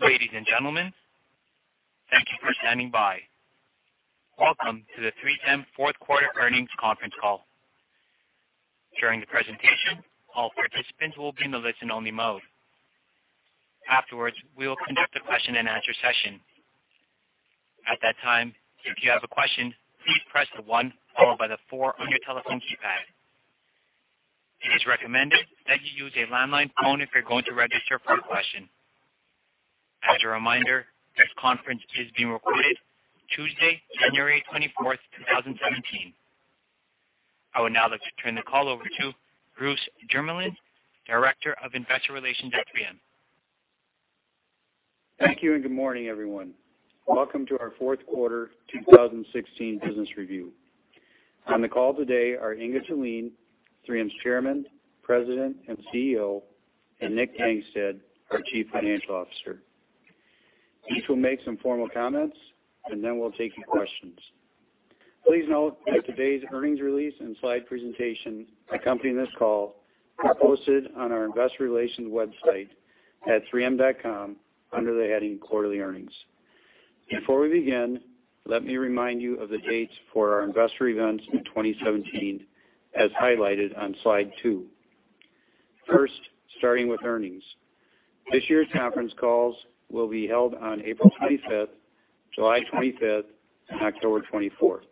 Ladies and gentlemen, thank you for standing by. Welcome to the 3M fourth quarter earnings conference call. During the presentation, all participants will be in the listen only mode. Afterwards, we will conduct a question and answer session. At that time, if you have a question, please press the one followed by the four on your telephone keypad. It is recommended that you use a landline phone if you're going to register for a question. As a reminder, this conference is being recorded Tuesday, January 24, 2017. I would now like to turn the call over to Bruce Jermeland, Director of Investor Relations at 3M. Thank you. Good morning, everyone. Welcome to our fourth quarter 2016 business review. On the call today are Inge Thulin, 3M's Chairman, President, and CEO, Nick Gangestad, our Chief Financial Officer. Each will make some formal comments. Then we'll take your questions. Please note that today's earnings release and slide presentation accompanying this call are posted on our investor relations website at 3m.com under the heading Quarterly Earnings. Before we begin, let me remind you of the dates for our investor events in 2017, as highlighted on slide two. First, starting with earnings. This year's conference calls will be held on April 25th, July 25th, and October 24th.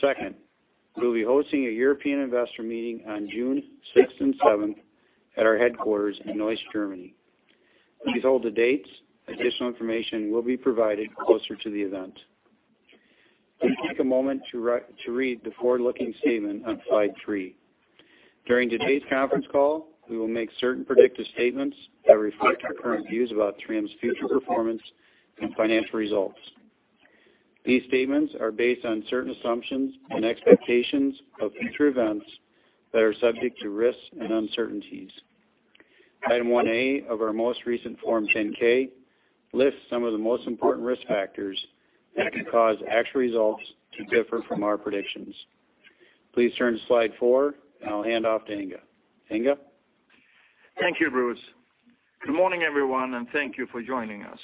Second, we'll be hosting a European investor meeting on June 6th and 7th at our headquarters in Neuss, Germany. Please hold the dates. Additional information will be provided closer to the event. Please take a moment to read the forward-looking statement on slide three. During today's conference call, we will make certain predictive statements that reflect our current views about 3M's future performance and financial results. These statements are based on certain assumptions and expectations of future events that are subject to risks and uncertainties. Item 1A of our most recent Form 10-K lists some of the most important risk factors that can cause actual results to differ from our predictions. Please turn to slide four. I'll hand off to Inge. Inge? Thank you, Bruce. Good morning, everyone. Thank you for joining us.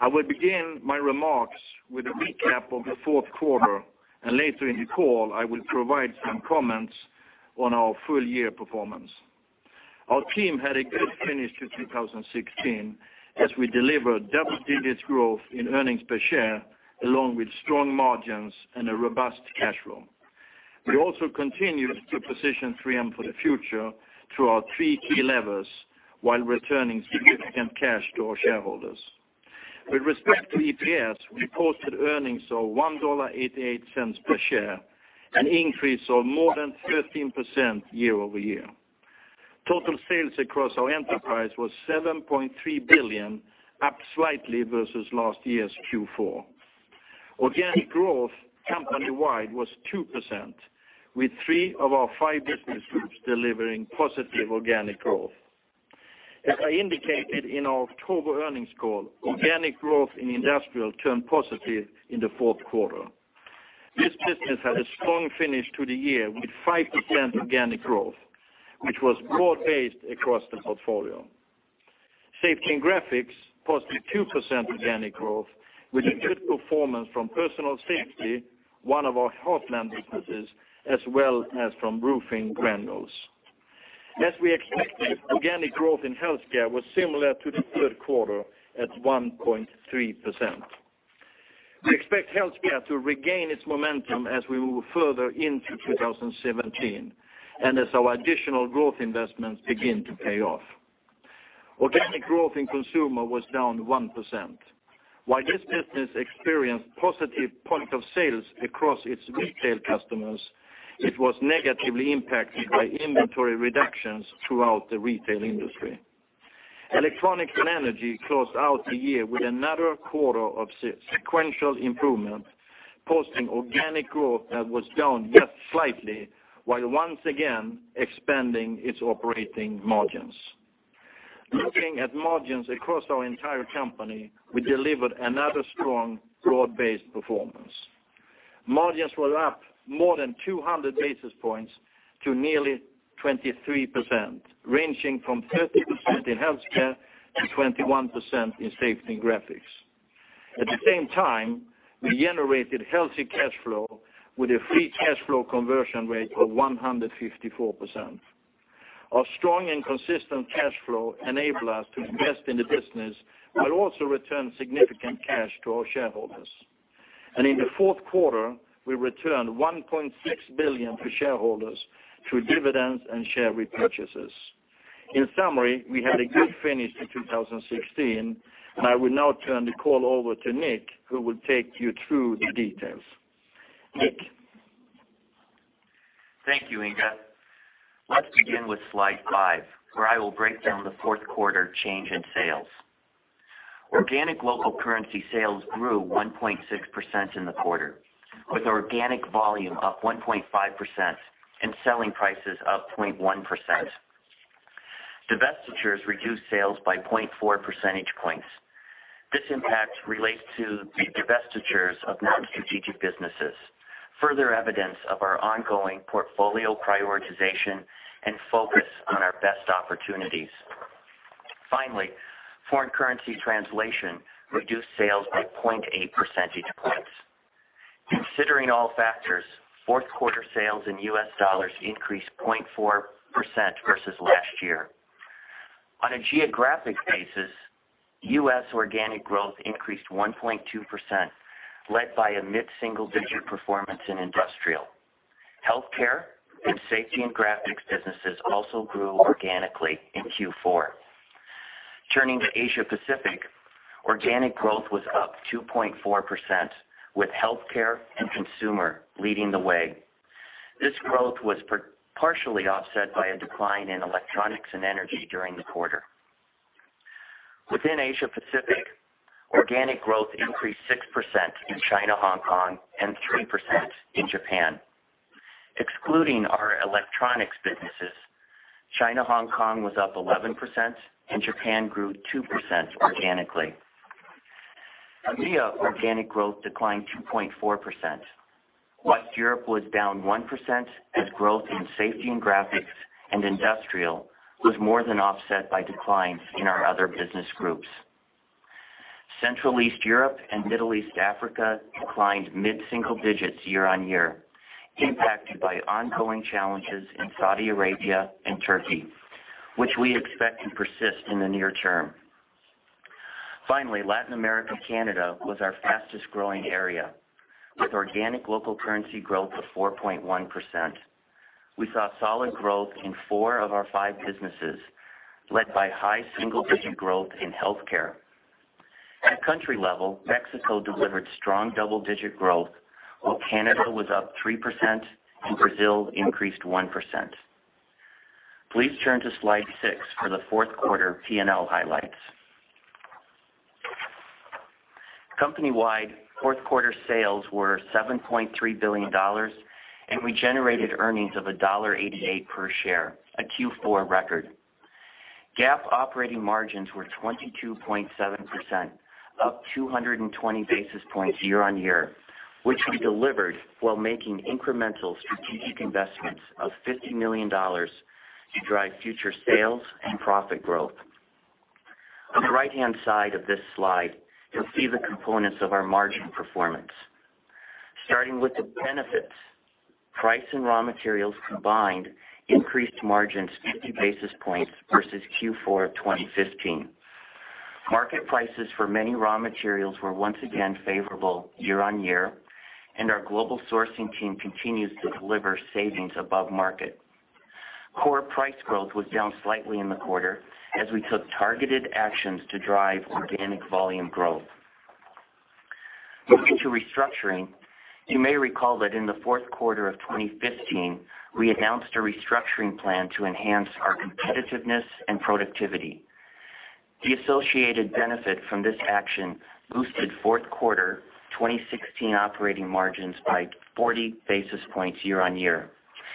I will begin my remarks with a recap of the fourth quarter. Later in the call, I will provide some comments on our full year performance. Our team had a good finish to 2016 as we delivered double-digit growth in earnings per share, along with strong margins and a robust cash flow. We also continued to position 3M for the future through our three key levers while returning significant cash to our shareholders. With respect to EPS, we posted earnings of $1.88 per share, an increase of more than 13% year-over-year. Total sales across our enterprise was $7.3 billion, up slightly versus last year's Q4. Organic growth company-wide was 2%, with three of our five business groups delivering positive organic growth. As I indicated in our October earnings call, organic growth in Industrial turned positive in the fourth quarter. This business had a strong finish to the year with 5% organic growth, which was broad-based across the portfolio. Safety and Graphics posted 2% organic growth with a good performance from personal safety, one of our Heartland businesses, as well as from roofing granules. As we expected, organic growth in Healthcare was similar to the third quarter at 1.3%. We expect Healthcare to regain its momentum as we move further into 2017 and as our additional growth investments begin to pay off. Organic growth in Consumer was down 1%. While this business experienced positive point of sales across its retail customers, it was negatively impacted by inventory reductions throughout the retail industry. Electronics and Energy closed out the year with another quarter of sequential improvement, posting organic growth that was down just slightly, while once again expanding its operating margins. Looking at margins across our entire company, we delivered another strong broad-based performance. Margins were up more than 200 basis points to nearly 23%, ranging from 30% in Healthcare to 21% in Safety and Graphics. At the same time, we generated healthy cash flow with a free cash flow conversion rate of 154%. Our strong and consistent cash flow enable us to invest in the business, also return significant cash to our shareholders. In the fourth quarter, we returned $1.6 billion to shareholders through dividends and share repurchases. In summary, we had a good finish to 2016. I will now turn the call over to Nick, who will take you through the details. Nick. Thank you, Inge. Let's begin with slide five, where I will break down the fourth quarter change in sales. Organic local currency sales grew 1.6% in the quarter, with organic volume up 1.5% and selling prices up 0.1%. Divestitures reduced sales by 0.4 percentage points. This impact relates to the divestitures of non-strategic businesses. Further evidence of our ongoing portfolio prioritization and focus on our best opportunities. Finally, foreign currency translation reduced sales by 0.8 percentage points. Considering all factors, fourth quarter sales in U.S. dollars increased 0.4% versus last year. On a geographic basis, U.S. organic growth increased 1.2%, led by a mid-single-digit performance in Industrial. Healthcare and Safety and Graphics businesses also grew organically in Q4. Turning to Asia Pacific, organic growth was up 2.4% with Healthcare and Consumer leading the way. This growth was partially offset by a decline in Electronics and Energy during the quarter. Within Asia Pacific, organic growth increased 6% in China, Hong Kong, and 3% in Japan. Excluding our electronics businesses, China, Hong Kong was up 11% and Japan grew 2% organically. EMEA organic growth declined 2.4%. West Europe was down 1% as growth in Safety and Graphics and Industrial was more than offset by declines in our other business groups. Central East Europe and Middle East Africa declined mid-single digits year-on-year, impacted by ongoing challenges in Saudi Arabia and Turkey, which we expect to persist in the near term. Finally, Latin America, Canada was our fastest growing area, with organic local currency growth of 4.1%. We saw solid growth in four of our five businesses, led by high single-digit growth in Healthcare. At country level, Mexico delivered strong double-digit growth, while Canada was up 3% and Brazil increased 1%. Please turn to Slide 6 for the fourth quarter P&L highlights. Company-wide fourth quarter sales were $7.3 billion, and we generated earnings of $1.88 per share, a Q4 record. GAAP operating margins were 22.7%, up 220 basis points year-on-year, which we delivered while making incremental strategic investments of $50 million to drive future sales and profit growth. On the right-hand side of this slide, you'll see the components of our margin performance. Starting with the benefits, price and raw materials combined increased margins 50 basis points versus Q4 of 2015. Market prices for many raw materials were once again favorable year-on-year, and our global sourcing team continues to deliver savings above market. Core price growth was down slightly in the quarter as we took targeted actions to drive organic volume growth. Looking to restructuring, you may recall that in the fourth quarter of 2015, we announced a restructuring plan to enhance our competitiveness and productivity. The associated benefit from this action boosted fourth quarter 2016 operating margins by 40 basis points year-on-year.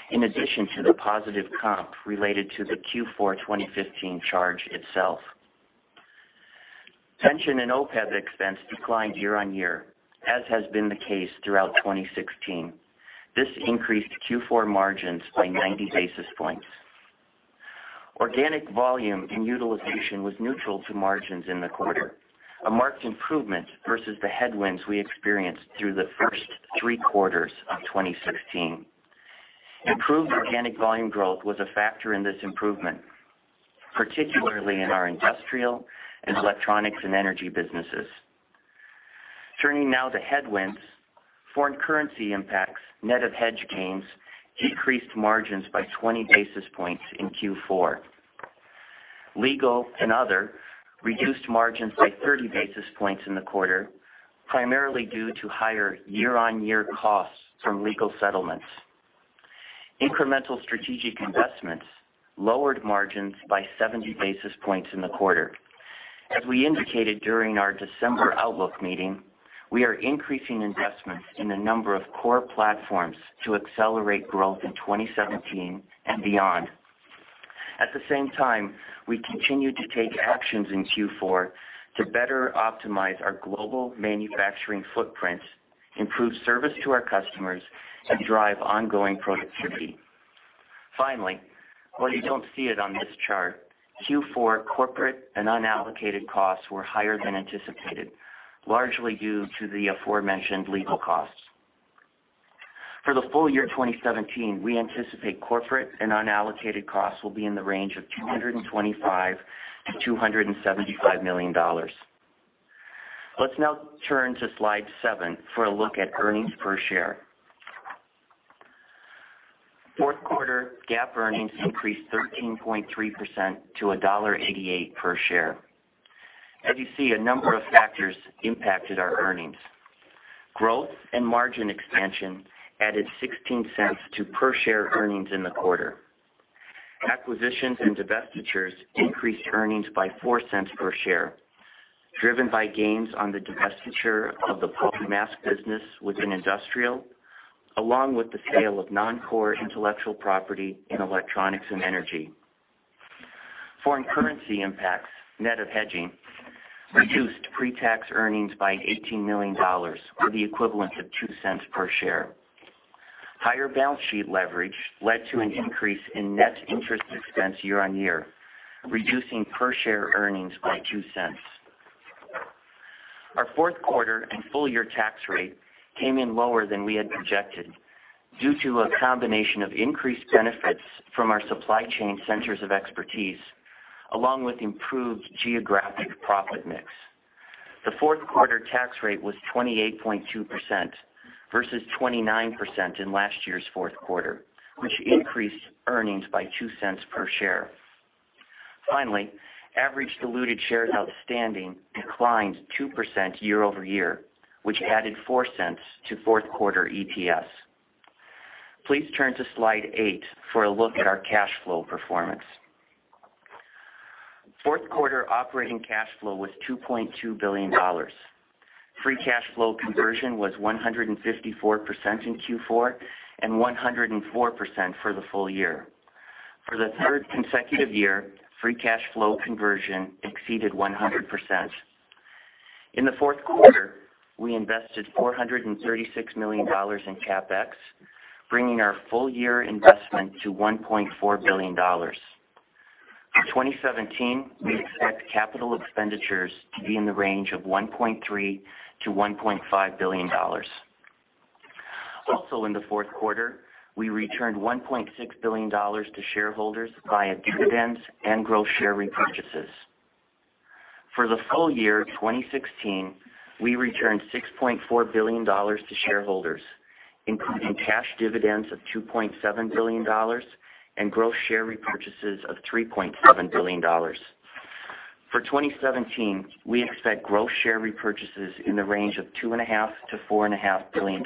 In addition to the positive comp related to the Q4 2015 charge itself. Pension and OPEB expense declined year-on-year, as has been the case throughout 2016. This increased Q4 margins by 90 basis points. Organic volume and utilization was neutral to margins in the quarter, a marked improvement versus the headwinds we experienced through the first three quarters of 2016. Improved organic volume growth was a factor in this improvement, particularly in our Industrial and Electronics and Energy businesses. Foreign currency impacts, net of hedge gains, decreased margins by 20 basis points in Q4. Legal and other reduced margins by 30 basis points in the quarter, primarily due to higher year-on-year costs from legal settlements. Incremental strategic investments lowered margins by 70 basis points in the quarter. As we indicated during our December outlook meeting, we are increasing investments in a number of core platforms to accelerate growth in 2017 and beyond. At the same time, we continued to take actions in Q4 to better optimize our global manufacturing footprint, improve service to our customers, and drive ongoing productivity. Finally, while you don't see it on this chart, Q4 corporate and unallocated costs were higher than anticipated, largely due to the aforementioned legal costs. For the full year 2017, we anticipate corporate and unallocated costs will be in the range of $225 million-$275 million. Let's now turn to Slide seven for a look at earnings per share. Fourth quarter GAAP earnings increased 13.3% to $1.88 per share. As you see, a number of factors impacted our earnings. Growth and margin expansion added $0.16 to per share earnings in the quarter. Acquisitions and divestitures increased earnings by $0.04 per share, driven by gains on the divestiture of the PolyMask business within Industrial, along with the sale of non-core intellectual property in Electronics and Energy. Foreign currency impacts, net of hedging, reduced pre-tax earnings by $18 million, or the equivalent of $0.02 per share. Higher balance sheet leverage led to an increase in net interest expense year-on-year, reducing per share earnings by $0.02. Our fourth quarter and full year tax rate came in lower than we had projected due to a combination of increased benefits from our supply chain centers of expertise, along with improved geographic profit mix. The fourth quarter tax rate was 28.2% versus 29% in last year's fourth quarter, which increased earnings by $0.02 per share. Finally, average diluted shares outstanding declined 2% year over year, which added $0.04 to fourth quarter EPS. Please turn to Slide 8 for a look at our cash flow performance. Fourth quarter operating cash flow was $2.2 billion. Free cash flow conversion was 154% in Q4, and 104% for the full year. For the third consecutive year, free cash flow conversion exceeded 100%. In the fourth quarter, we invested $436 million in CapEx, bringing our full year investment to $1.4 billion. For 2017, we expect capital expenditures to be in the range of $1.3 billion-$1.5 billion. Also in the fourth quarter, we returned $1.6 billion to shareholders via dividends and gross share repurchases. For the full year 2016, we returned $6.4 billion to shareholders, including cash dividends of $2.7 billion and gross share repurchases of $3.7 billion. For 2017, we expect gross share repurchases in the range of $2.5 billion-$4.5 billion.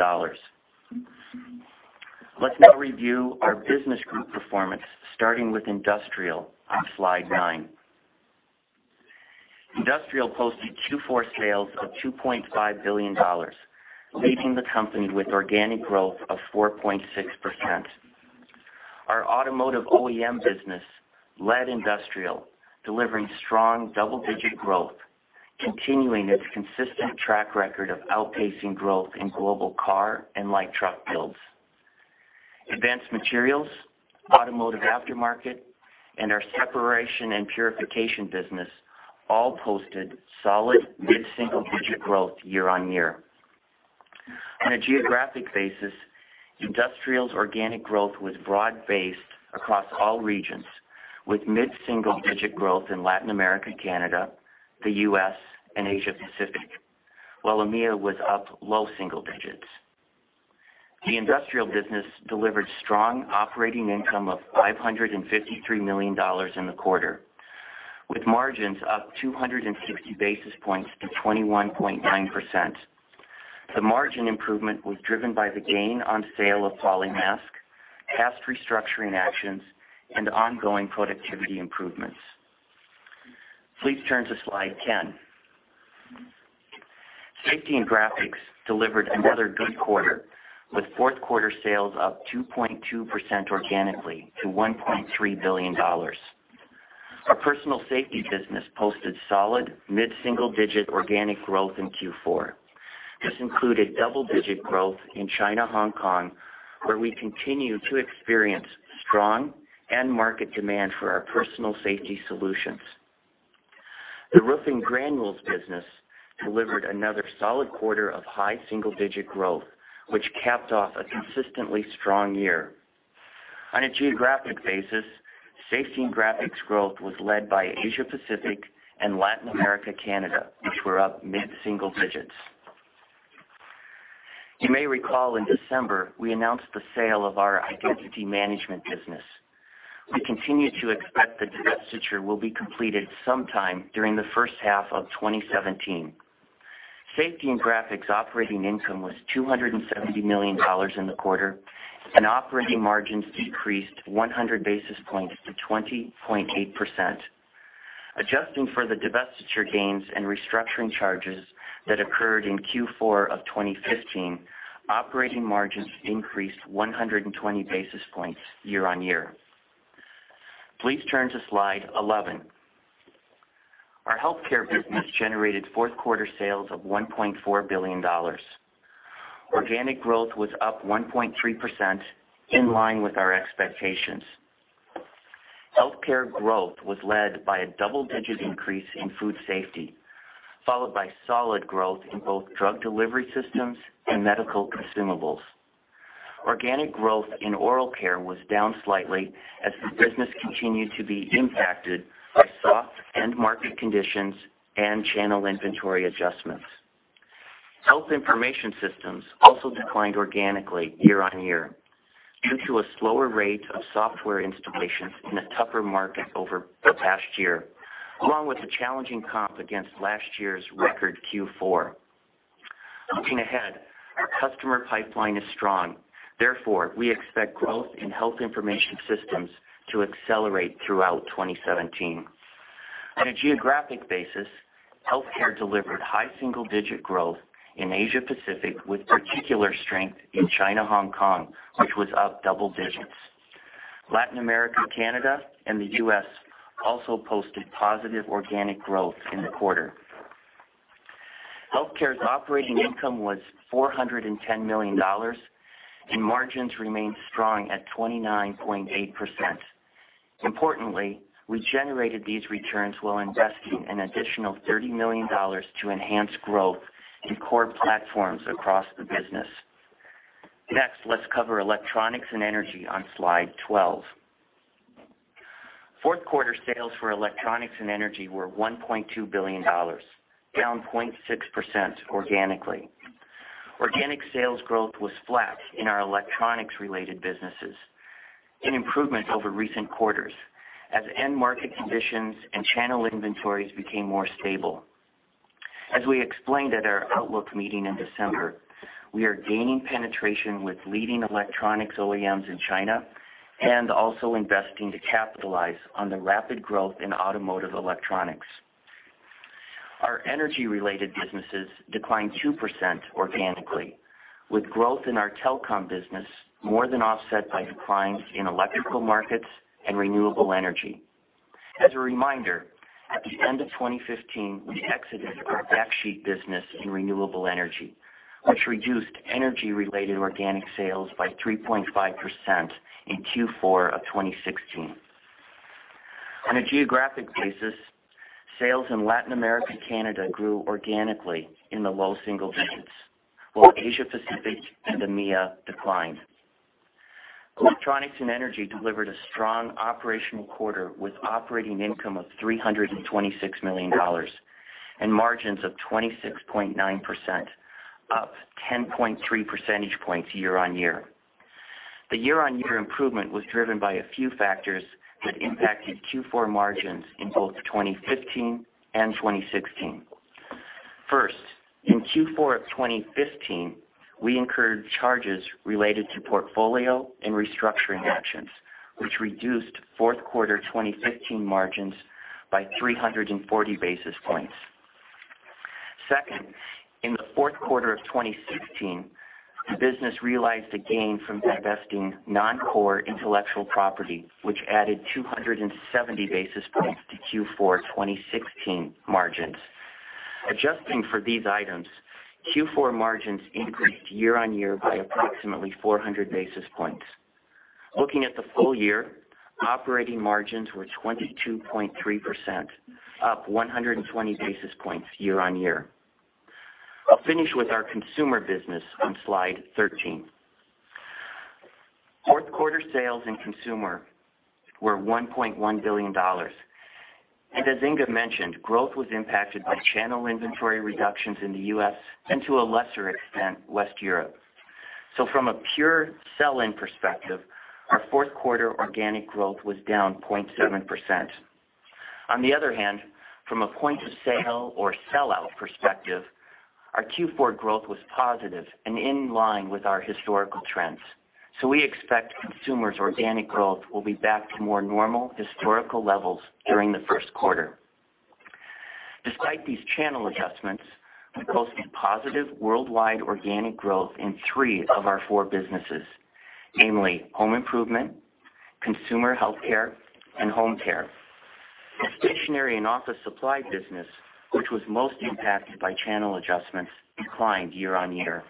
Let's now review our business group performance, starting with Industrial on Slide nine. Industrial posted Q4 sales of $2.5 billion, leaving the company with organic growth of 4.6%. Our automotive OEM business led Industrial, delivering strong double-digit growth, continuing its consistent track record of outpacing growth in global car and light truck builds. Advanced materials, automotive aftermarket, and our separation and purification business all posted solid mid-single digit growth year-on-year. On a geographic basis, Industrial's organic growth was broad based across all regions, with mid-single digit growth in Latin America, Canada, the U.S., and Asia Pacific, while EMEA was up low single digits. The Industrial business delivered strong operating income of $553 million in the quarter, with margins up 260 basis points to 21.9%. The margin improvement was driven by the gain on sale of PolyMask, past restructuring actions, and ongoing productivity improvements. Please turn to Slide 10. Safety and Graphics delivered another good quarter, with fourth quarter sales up 2.2% organically to $1.3 billion. Our personal safety business posted solid mid-single digit organic growth in Q4. This included double-digit growth in China, Hong Kong, where we continue to experience strong end market demand for our personal safety solutions. The roofing granules business delivered another solid quarter of high single-digit growth, which capped off a consistently strong year. On a geographic basis, Safety and Graphics growth was led by Asia Pacific and Latin America, Canada, which were up mid-single digits. You may recall in December, we announced the sale of our identity management business. We continue to expect the divestiture will be completed sometime during the first half of 2017. Safety and Graphics operating income was $270 million in the quarter, and operating margins decreased 100 basis points to 20.8%. Adjusting for the divestiture gains and restructuring charges that occurred in Q4 of 2015, operating margins increased 120 basis points year-on-year. Please turn to Slide 11. Our Healthcare business generated fourth quarter sales of $1.4 billion. Organic growth was up 1.3%, in line with our expectations. Healthcare growth was led by a double-digit increase in food safety, followed by solid growth in both drug delivery systems and medical consumables. Organic growth in oral care was down slightly as the business continued to be impacted by soft end market conditions and channel inventory adjustments. Health Information Systems also declined organically year-on-year due to a slower rate of software installations in a tougher market over the past year, along with the challenging comp against last year's record Q4. Looking ahead, our customer pipeline is strong. Therefore, we expect growth in Health Information Systems to accelerate throughout 2017. On a geographic basis, Healthcare delivered high single-digit growth in Asia Pacific with particular strength in China, Hong Kong, which was up double digits. Latin America, Canada, and the U.S. also posted positive organic growth in the quarter. Healthcare's operating income was $410 million, and margins remained strong at 29.8%. Importantly, we generated these returns while investing an additional $30 million to enhance growth in core platforms across the business. Next, let's cover Electronics and Energy on slide 12. Fourth quarter sales for Electronics and Energy were $1.2 billion, down 0.6% organically. Organic sales growth was flat in our electronics-related businesses, an improvement over recent quarters as end-market conditions and channel inventories became more stable. As we explained at our outlook meeting in December, we are gaining penetration with leading electronics OEMs in China and also investing to capitalize on the rapid growth in automotive electronics. Our energy-related businesses declined 2% organically, with growth in our telecom business more than offset by declines in electrical markets and renewable energy. As a reminder, at the end of 2015, we exited our backsheet business in renewable energy, which reduced energy-related organic sales by 3.5% in Q4 of 2016. On a geographic basis, sales in Latin America/Canada grew organically in the low single digits, while Asia Pacific and EMEA declined. Electronics and Energy delivered a strong operational quarter with operating income of $326 million and margins of 26.9%, up 10.3 percentage points year-on-year. The year-on-year improvement was driven by a few factors that impacted Q4 margins in both 2015 and 2016. First, in Q4 of 2015, we incurred charges related to portfolio and restructuring actions, which reduced fourth quarter 2015 margins by 340 basis points. Second, in the fourth quarter of 2016, the business realized a gain from divesting non-core intellectual property, which added 270 basis points to Q4 2016 margins. Adjusting for these items, Q4 margins increased year-on-year by approximately 400 basis points. Looking at the full year, operating margins were 22.3%, up 120 basis points year-on-year. I'll finish with our Consumer business on slide 13. Fourth quarter sales in Consumer were $1.1 billion, and as Inge mentioned, growth was impacted by channel inventory reductions in the U.S. and to a lesser extent, West Europe. From a pure sell-in perspective, our fourth quarter organic growth was down 0.7%. On the other hand, from a point of sale or sellout perspective, our Q4 growth was positive and in line with our historical trends. We expect Consumer's organic growth will be back to more normal historical levels during the first quarter. Despite these channel adjustments, we posted positive worldwide organic growth in three of our four businesses, namely home improvement, consumer healthcare, and home care. The stationery and office supply business, which was most impacted by channel adjustments, declined year-on-year.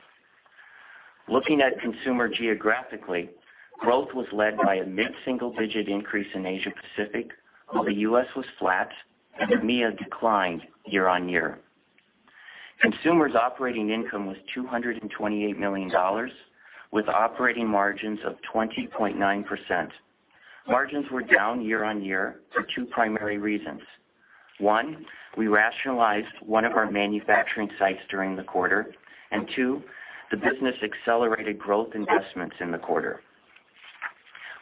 Looking at Consumer geographically, growth was led by a mid-single-digit increase in Asia Pacific, while the U.S. was flat and EMEA declined year-on-year. Consumer's operating income was $228 million with operating margins of 20.9%. Margins were down year-on-year for two primary reasons. One, we rationalized one of our manufacturing sites during the quarter, and two, the business accelerated growth investments in the quarter.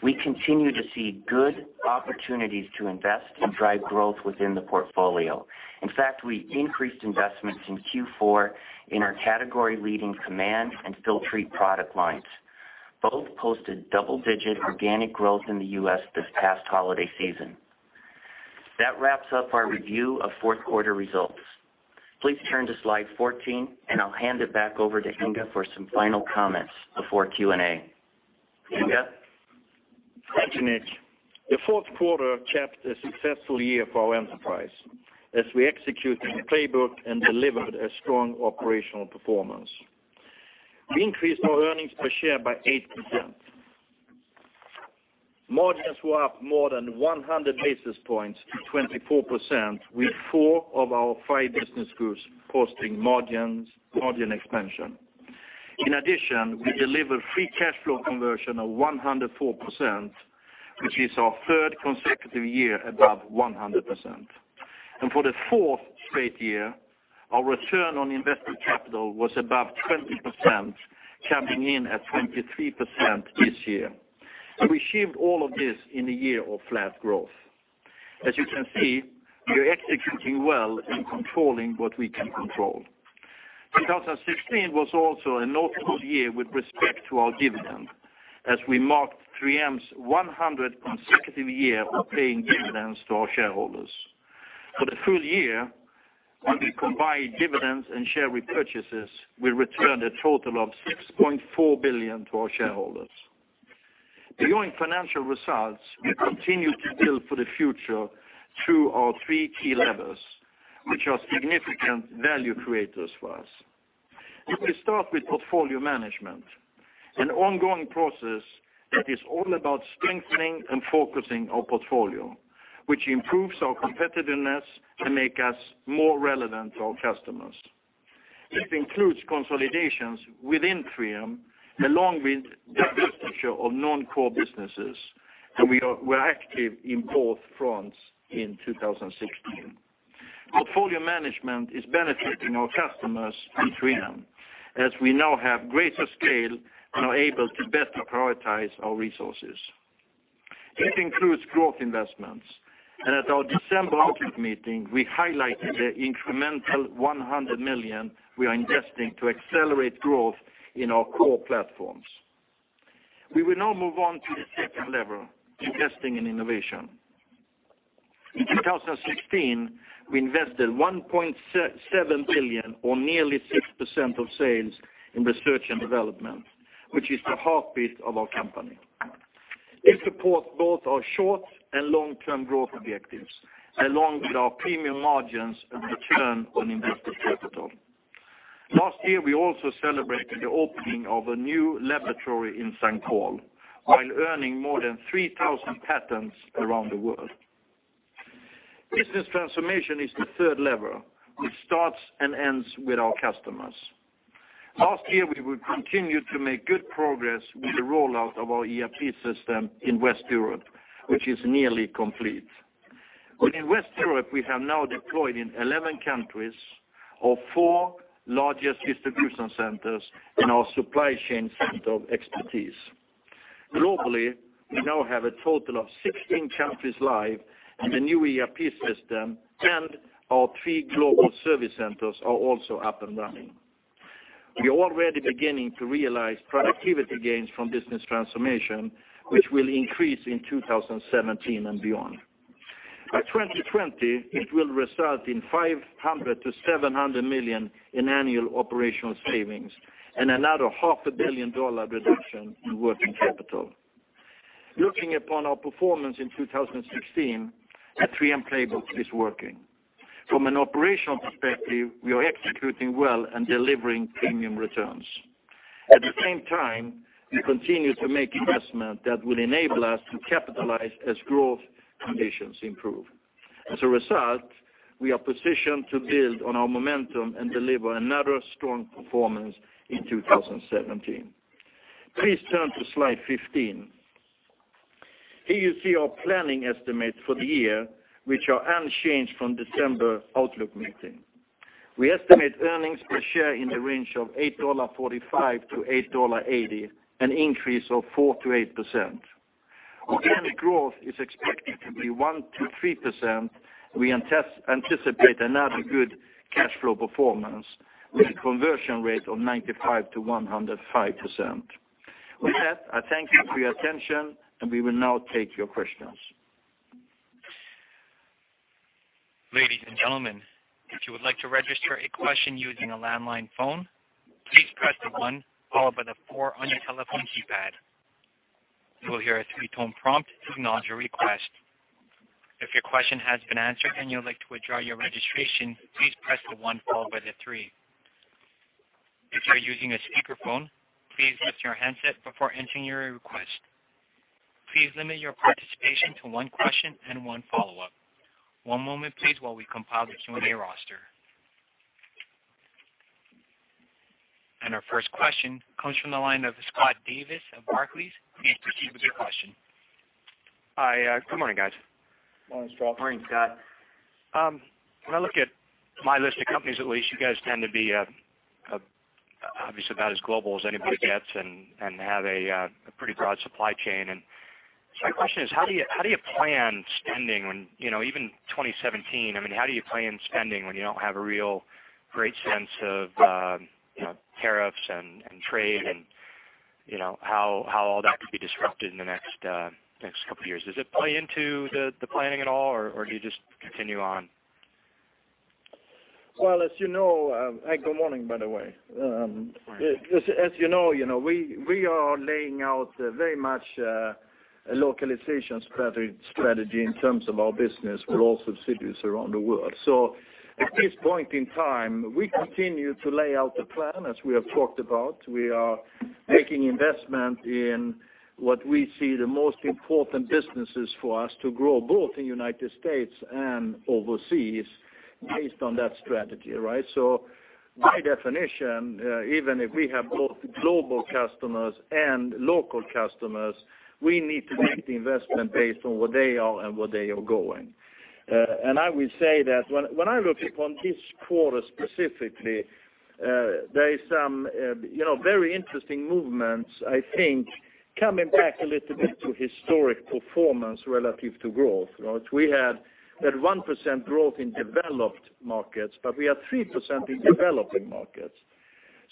We continue to see good opportunities to invest and drive growth within the portfolio. In fact, we increased investments in Q4 in our category-leading Command and Filtrete product lines. Both posted double-digit organic growth in the U.S. this past holiday season. That wraps up our review of fourth quarter results. Please turn to slide 14, and I'll hand it back over to Inge for some final comments before Q&A. Inge? Thanks, Nick. The fourth quarter capped a successful year for our enterprise as we executed the playbook and delivered a strong operational performance. We increased our earnings per share by 8%. Margins were up more than 100 basis points to 24%, with four of our five business groups posting margin expansion. In addition, we delivered free cash flow conversion of 104%, which is our third consecutive year above 100%. For the fourth straight year, our return on invested capital was above 20%, coming in at 23% this year. We achieved all of this in a year of flat growth. As you can see, we are executing well and controlling what we can control. 2016 was also a notable year with respect to our dividend, as we marked 3M's 100 consecutive year of paying dividends to our shareholders. For the full year, when we combine dividends and share repurchases, we returned a total of $6.4 billion to our shareholders. During financial results, we continue to build for the future through our three key levers, which are significant value creators for us. Let me start with portfolio management, an ongoing process that is all about strengthening and focusing our portfolio, which improves our competitiveness and make us more relevant to our customers. It includes consolidations within 3M, along with divestiture of non-core businesses. We're active in both fronts in 2016. Portfolio management is benefiting our customers and 3M, as we now have greater scale and are able to better prioritize our resources. It includes growth investments. At our December outlook meeting, we highlighted the incremental $100 million we are investing to accelerate growth in our core platforms. We will now move on to the second lever, investing in innovation. In 2016, we invested $1.7 billion, or nearly 6% of sales, in research and development, which is the heartbeat of our company. It supports both our short- and long-term growth objectives, along with our premium margins and return on invested capital. Last year, we also celebrated the opening of a new laboratory in St. Paul while earning more than 3,000 patents around the world. Business transformation is the third lever, which starts and ends with our customers. Last year, we continued to make good progress with the rollout of our ERP system in West Europe, which is nearly complete. Within West Europe, we have now deployed in 11 countries, our four largest distribution centers and our supply chain center of expertise. Globally, we now have a total of 16 countries live in the new ERP system, and our three global service centers are also up and running. We are already beginning to realize productivity gains from business transformation, which will increase in 2017 and beyond. By 2020, it will result in $500 million-$700 million in annual operational savings and another half a billion dollar reduction in working capital. Looking upon our performance in 2016, the 3M playbook is working. From an operational perspective, we are executing well and delivering premium returns. At the same time, we continue to make investment that will enable us to capitalize as growth conditions improve. As a result, we are positioned to build on our momentum and deliver another strong performance in 2017. Please turn to slide 15. Here you see our planning estimates for the year, which are unchanged from December outlook meeting. We estimate earnings per share in the range of $8.45-$8.80, an increase of 4%-8%. Organic growth is expected to be 1%-3%, and we anticipate another good cash flow performance with a conversion rate of 95%-105%. With that, I thank you for your attention, we will now take your questions. Ladies and gentlemen, if you would like to register a question using a landline phone, please press the one followed by the four on your telephone keypad. You will hear a three-tone prompt to acknowledge your request. If your question has been answered and you'd like to withdraw your registration, please press the one followed by the three. If you're using a speakerphone, please mute your handset before entering your request. Please limit your participation to one question and one follow-up. One moment please, while we compile the Q&A roster. Our first question comes from the line of Scott Davis of Barclays. Please proceed with your question. Hi. Good morning, guys. Morning, Scott. Morning, Scott. When I look at my list of companies, at least, you guys tend to be obviously about as global as anybody gets and have a pretty broad supply chain. My question is, how do you plan spending when even 2017, how do you plan spending when you don't have a real great sense of tariffs and trade and how all that could be disrupted in the next couple of years? Does it play into the planning at all, or do you just continue on? Well, as you know. Good morning, by the way. Good morning. As you know, we are laying out very much a localization strategy in terms of our business for all subsidiaries around the world. At this point in time, we continue to lay out the plan as we have talked about. We are making investment in what we see the most important businesses for us to grow, both in U.S. and overseas based on that strategy. Right? By definition, even if we have both global customers and local customers, we need to make the investment based on where they are and where they are going. I will say that when I look upon this quarter specifically, there is some very interesting movements, I think, coming back a little bit to historic performance relative to growth. We had that 1% growth in Developed Markets, but we had 3% in Developing Markets.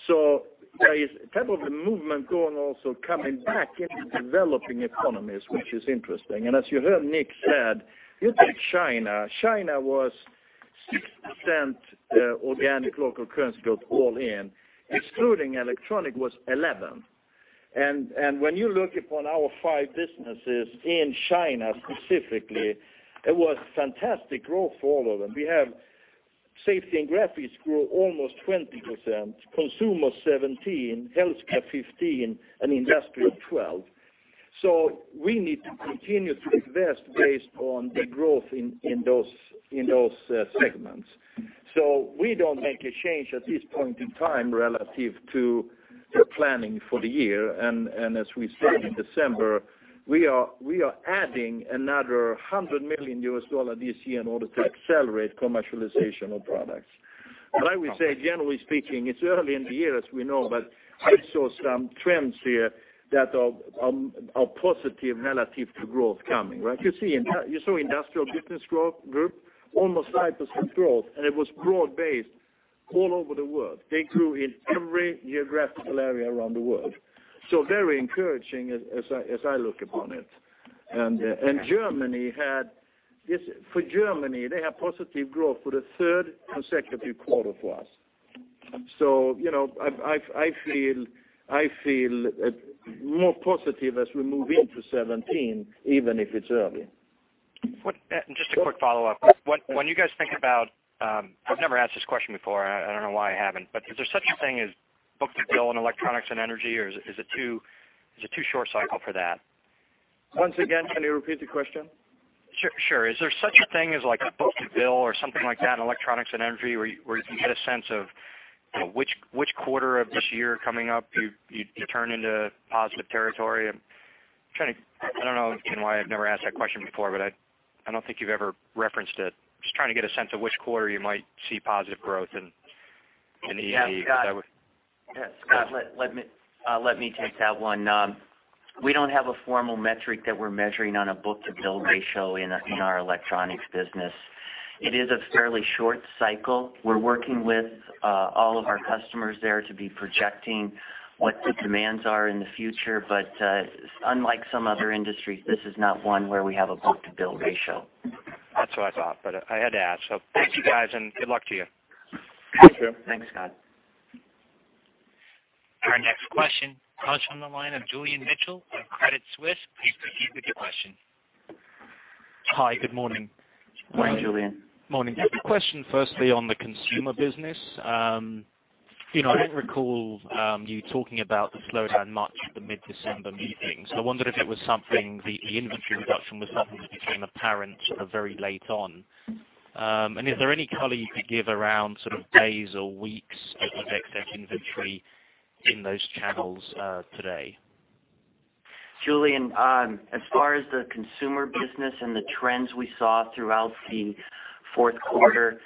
There is a type of a movement going also coming back into Developing Economies, which is interesting. As you heard Nick said, you take China. China was 6% organic local currency growth all in, excluding Electronics was 11%. When you look upon our 5 businesses in China specifically, it was fantastic growth for all of them. We have Safety and Graphics grew almost 20%, Consumer 17%, Healthcare 15%, and Industrial 12%. We need to continue to invest based on the growth in those segments. We don't make a change at this point in time relative to the planning for the year. As we said in December, we are adding another $100 million this year in order to accelerate commercialization of products. I would say generally speaking, it's early in the year, as we know, but I saw some trends here that are positive relative to growth coming, right? You saw Industrial Business Group, almost 5% growth, and it was broad-based all over the world. They grew in every geographical area around the world. Very encouraging as I look upon it. For Germany, they had positive growth for the third consecutive quarter for us. I feel more positive as we move into 2017, even if it's early. Just a quick follow-up. I've never asked this question before, I don't know why I haven't, is there such a thing as book-to-bill in Electronics and Energy, or is it too short cycle for that? Once again, can you repeat the question? Sure. Is there such a thing as like a book-to-bill or something like that in Electronics and Energy where you can get a sense of which quarter of this year coming up you turn into positive territory? I don't know why I've never asked that question before, I don't think you've ever referenced it. Just trying to get a sense of which quarter you might see positive growth in E&E. Yeah, Scott. Let me take that one. We don't have a formal metric that we're measuring on a book-to-bill ratio in our electronics business. It is a fairly short cycle. We're working with all of our customers there to be projecting what the demands are in the future. Unlike some other industries, this is not one where we have a book-to-bill ratio. That's what I thought, but I had to ask. Thank you guys, and good luck to you. Thank you. Thanks, Scott. Our next question comes from the line of Julian Mitchell of Credit Suisse. Please proceed with your question. Hi, good morning. Morning, Julian. Morning. A question firstly on the Consumer business. I don't recall you talking about the slowdown much at the mid-December meetings. I wondered if the inventory reduction was something that became apparent very late on. Is there any color you could give around sort of days or weeks of excess inventory in those channels today? Julian, as far as the Consumer business and the trends we saw throughout the fourth quarter,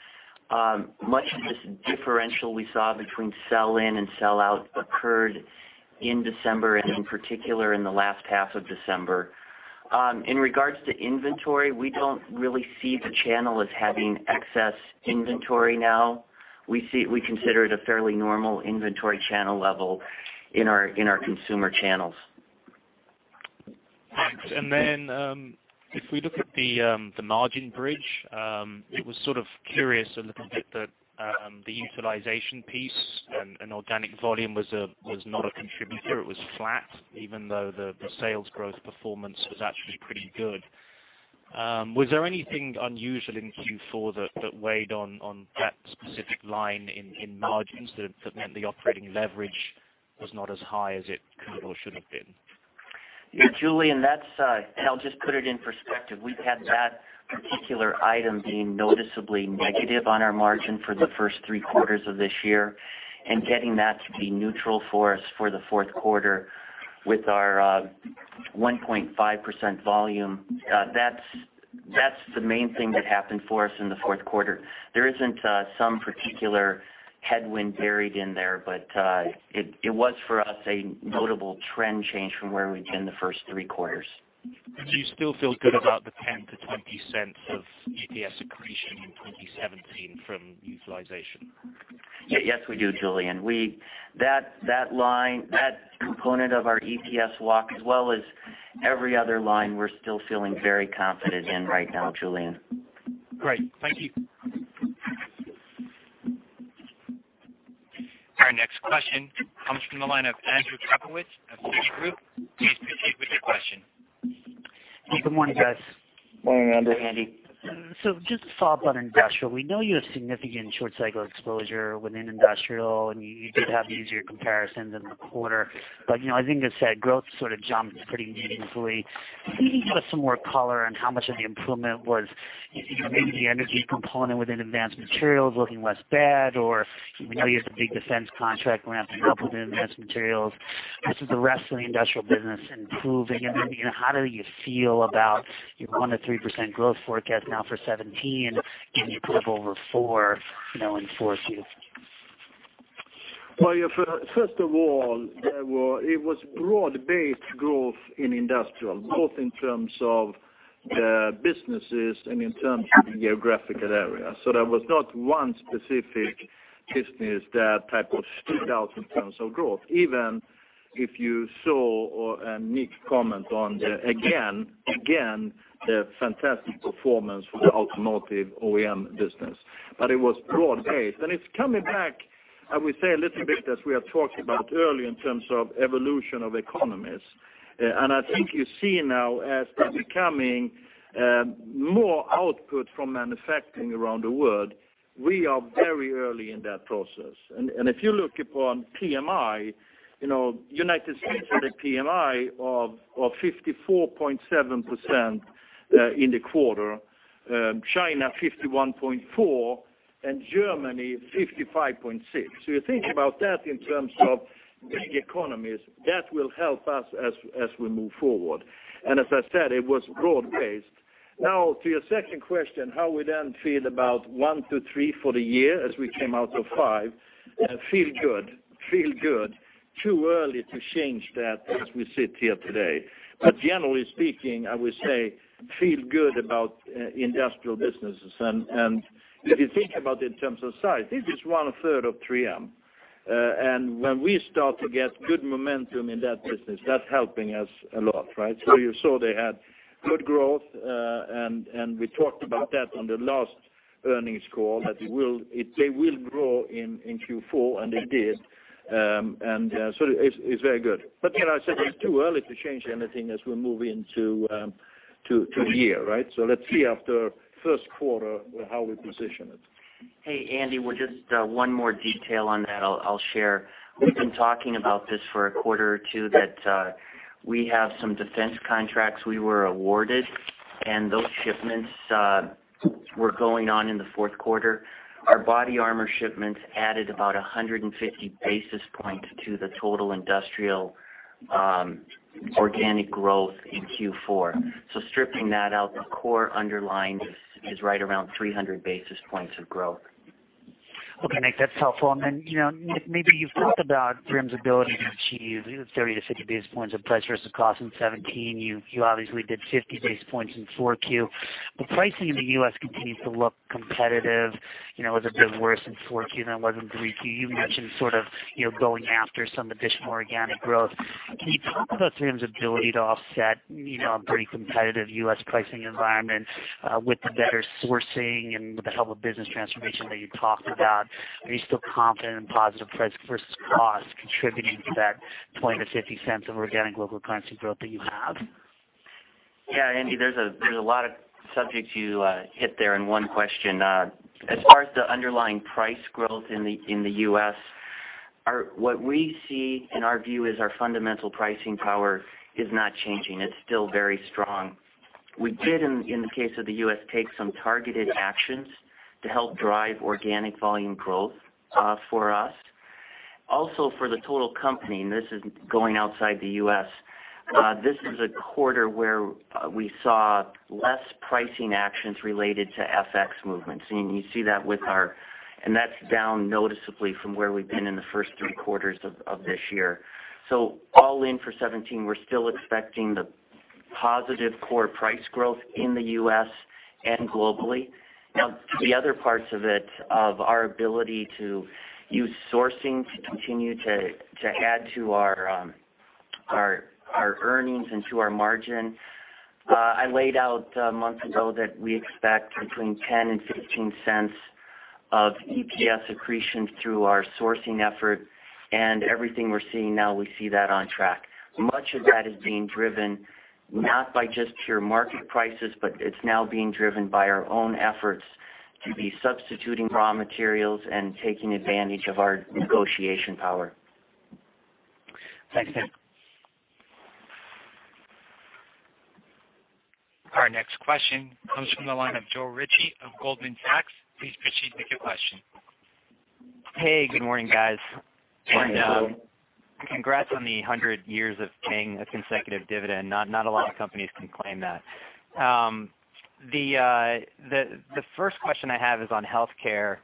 much of this differential we saw between sell in and sell out occurred in December, and in particular, in the last half of December. In regards to inventory, we don't really see the channel as having excess inventory now. We consider it a fairly normal inventory channel level in our Consumer channels. Thanks. If we look at the margin bridge, it was sort of curious looking at the utilization piece and organic volume was not a contributor. It was flat, even though the sales growth performance was actually pretty good. Was there anything unusual in Q4 that weighed on that specific line in margins that meant the operating leverage was not as high as it could or should have been? Yeah, Julian, I'll just put it in perspective. We've had that particular item being noticeably negative on our margin for the first three quarters of this year, getting that to be neutral for us for the fourth quarter with our 1.5% volume, that's the main thing that happened for us in the fourth quarter. There isn't some particular headwind buried in there, but it was for us a notable trend change from where we'd been the first three quarters. Do you still feel good about the $0.10-$0.20 of EPS accretion in 2017 from utilization? Yes, we do, Julian. That component of our EPS walk, as well as every other line, we're still feeling very confident in right now, Julian. Great. Thank you. Our next question comes from the line of Andrew Kaplowitz of Citigroup. Please proceed with your question. Good morning, guys. Morning, Andrew. Andy. Just to follow up on Industrial, we know you have significant short-cycle exposure within Industrial, and you did have easier comparisons in the quarter. I think as said, growth sort of jumped pretty meaningfully. Can you give us some more color on how much of the improvement was maybe the Energy component within Advanced Materials looking less bad, or we know you have the big defense contract ramped up within Advanced Materials. Is the rest of the Industrial business improving? How do you feel about your 1%-3% growth forecast now for 2017, given you were over 4% in Q4? First of all, it was broad-based growth in Industrial, both in terms of the businesses and in terms of the geographical area. There was not one specific business that type of stood out in terms of growth, even if you saw or Nick comment on the, again, the fantastic performance for the automotive OEM business, it was broad-based. It's coming back, I would say a little bit as we are talking about early in terms of evolution of economies. I think you see now as there's coming more output from manufacturing around the world, we are very early in that process. If you look upon PMI, U.S. had a PMI of 54.7% in the quarter, China 51.4%, and Germany 55.6%. You think about that in terms of the economies, that will help us as we move forward. As I said, it was broad-based. Now, to your second question, how we then feel about 1%-3% for the year as we came out of 5%, feel good. Too early to change that as we sit here today. Generally speaking, I would say, feel good about Industrial businesses. If you think about it in terms of size, this is one third of 3M. When we start to get good momentum in that business, that's helping us a lot, right? You saw they had good growth, and we talked about that on the last earnings call that they will grow in Q4, and they did. It's very good. I said it's too early to change anything as we move into the year, right? Let's see after first quarter how we position it. Hey, Andy, just one more detail on that I'll share. We've been talking about this for a quarter or two, that we have some defense contracts we were awarded, and those shipments were going on in the fourth quarter. Our body armor shipments added about 150 basis points to the total Industrial organic growth in Q4. Stripping that out, the core underlying is right around 300 basis points of growth. Okay, Nick, that's helpful. Nick, maybe you've talked about 3M's ability to achieve 30-50 basis points of price versus cost in 2017. You obviously did 50 basis points in 4Q. Pricing in the U.S. continues to look competitive. It was a bit worse in 4Q than it was in 3Q. You mentioned sort of going after some additional organic growth. Can you talk about 3M's ability to offset a pretty competitive U.S. pricing environment, with the better sourcing and with the help of business transformation that you talked about? Are you still confident in positive price versus cost contributing to that $0.20-$0.50 of organic local currency growth that you have? Yeah, Andy, there's a lot of subjects you hit there in one question. As far as the underlying price growth in the U.S., what we see in our view is our fundamental pricing power is not changing. It's still very strong. We did, in the case of the U.S., take some targeted actions to help drive organic volume growth for us. Also, for the total company, this is going outside the U.S., this is a quarter where we saw less pricing actions related to FX movements. That's down noticeably from where we've been in the first three quarters of this year. All in for 2017, we're still expecting the positive core price growth in the U.S. and globally. The other parts of it, of our ability to use sourcing to continue to add to our earnings and to our margin, I laid out a month ago that we expect between $0.10 and $0.15 of EPS accretion through our sourcing effort, and everything we're seeing now, we see that on track. Much of that is being driven not by just pure market prices, but it's now being driven by our own efforts to be substituting raw materials and taking advantage of our negotiation power. Thanks, Nick. Our next question comes from the line of Joe Ritchie of Goldman Sachs. Please proceed with your question. Hey, good morning, guys. Morning, Joe. Congrats on the 100 years of paying a consecutive dividend. Not a lot of companies can claim that. The first question I have is on Healthcare.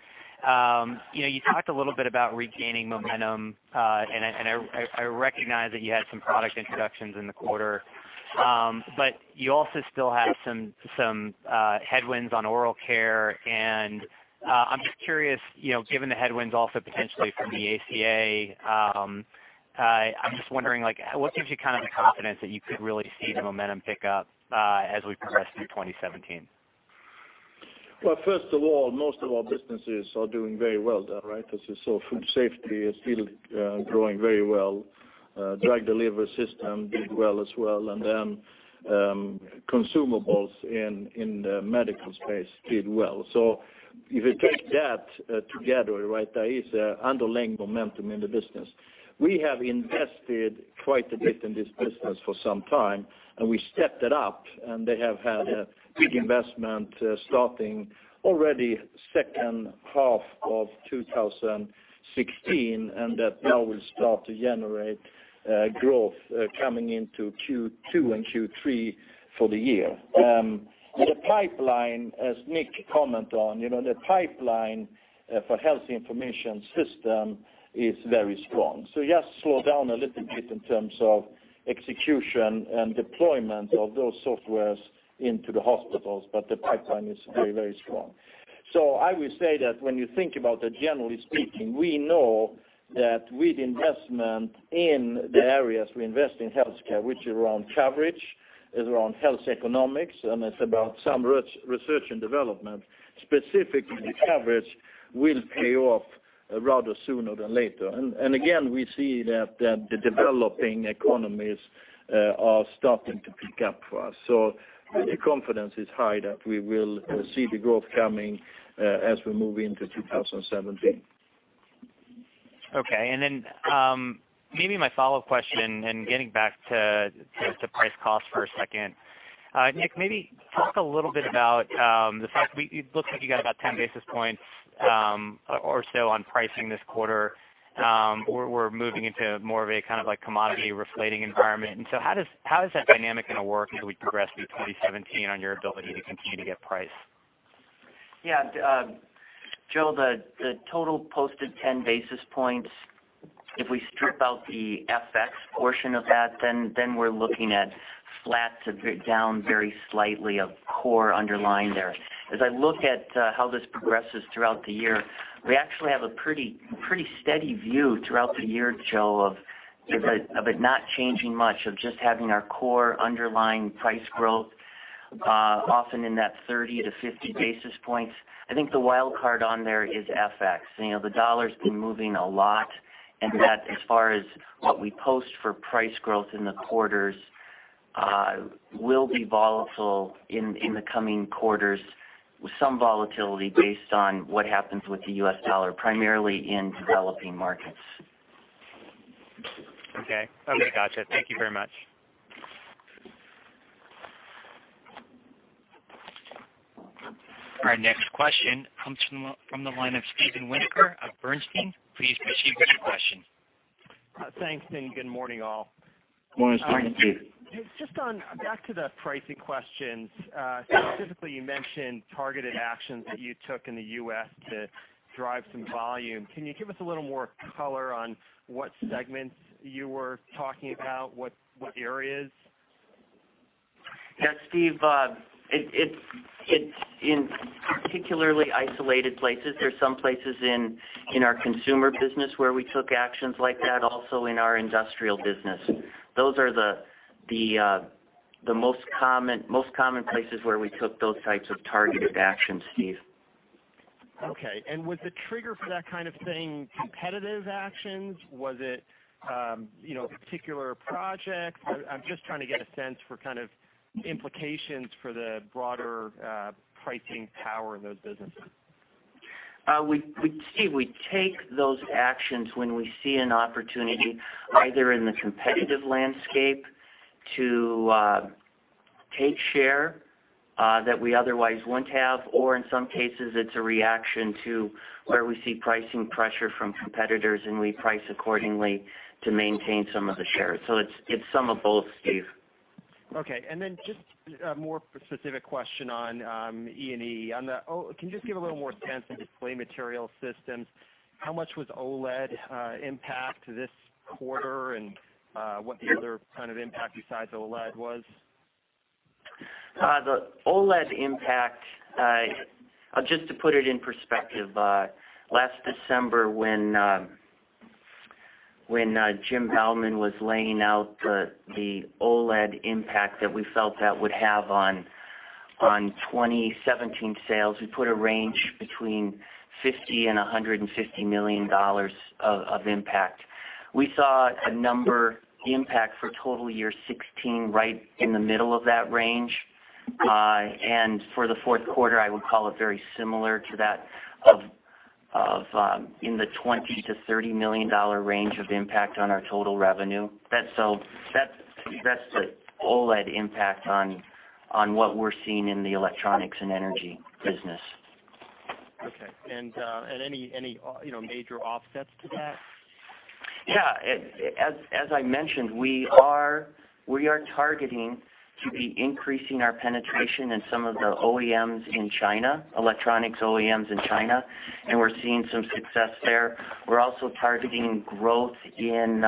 You talked a little bit about regaining momentum, and I recognize that you had some product introductions in the quarter. You also still had some headwinds on oral care, and I'm just curious, given the headwinds also potentially from the ACA, I'm just wondering, like, what gives you kind of the confidence that you could really see the momentum pick up as we progress through 2017? First of all, most of our businesses are doing very well, Joe, right? As you saw food safety is still growing very well. Drug delivery system did well as well, and then consumables in the medical space did well. If you take that together, right, there is underlying momentum in the business. We have invested quite a bit in this business for some time, and we stepped it up, and they have had a big investment starting already second half of 2016, and that now will start to generate growth coming into Q2 and Q3 for the year. The pipeline, as Nick commented on, the pipeline for Health Information Systems is very strong. Yes, slow down a little bit in terms of execution and deployment of those softwares into the hospitals, but the pipeline is very, very strong. I will say that when you think about that, generally speaking, we know that with investment in the areas we invest in Healthcare, which is around coverage, is around health economics, and it's about some research and development, specifically the coverage will pay off rather sooner than later. Again, we see that the developing economies are starting to pick up for us. The confidence is high that we will see the growth coming as we move into 2017. Okay, maybe my follow-up question and getting back to price cost for a second. Nick, maybe talk a little bit about the fact it looks like you got about 10 basis points or so on pricing this quarter. We're moving into more of a kind of commodity reflating environment. How is that dynamic going to work as we progress through 2017 on your ability to continue to get price? Yeah. Joe, the total posted 10 basis points, if we strip out the FX portion of that, we're looking at flat to down very slightly of core underlying there. As I look at how this progresses throughout the year, we actually have a pretty steady view throughout the year, Joe, of it not changing much, of just having our core underlying price growth, often in that 30 to 50 basis points. I think the wild card on there is FX. The dollar's been moving a lot, and that, as far as what we post for price growth in the quarters, will be volatile in the coming quarters, with some volatility based on what happens with the U.S. dollar, primarily in developing markets. Okay. Got you. Thank you very much. Our next question comes from the line of Steven Winoker of Bernstein. Please proceed with your question. Thanks. Good morning, all. Morning, Steve. Just on back to the pricing questions. Specifically, you mentioned targeted actions that you took in the U.S. to drive some volume. Can you give us a little more color on what segments you were talking about? What areas? Yeah, Steve, it's in particularly isolated places. There's some places in our Consumer business where we took actions like that, also in our Industrial business. Those are the most common places where we took those types of targeted actions, Steve. Okay. Was the trigger for that kind of thing competitive actions? Was it a particular project? I'm just trying to get a sense for kind of implications for the broader pricing power in those businesses. Steve, we take those actions when we see an opportunity, either in the competitive landscape to take share that we otherwise wouldn't have, or in some cases, it's a reaction to where we see pricing pressure from competitors, and we price accordingly to maintain some of the shares. It's some of both, Steve. Okay. Just a more specific question on E&E. Can you just give a little more sense in Display Material Systems, how much was OLED impact this quarter and what the other kind of impact besides OLED was? The OLED impact, just to put it in perspective, last December, when Jim Bauman was laying out the OLED impact that we felt that would have on 2017 sales, we put a range between $50 million-$150 million of impact. We saw a number impact for total year 2016 right in the middle of that range. For the fourth quarter, I would call it very similar to that, in the $20 million-$30 million range of impact on our total revenue. That's the OLED impact on what we're seeing in the electronics and energy business. Okay. Any major offsets to that? Yeah. As I mentioned, we are targeting to be increasing our penetration in some of the electronics OEMs in China, we're seeing some success there. We're also targeting growth in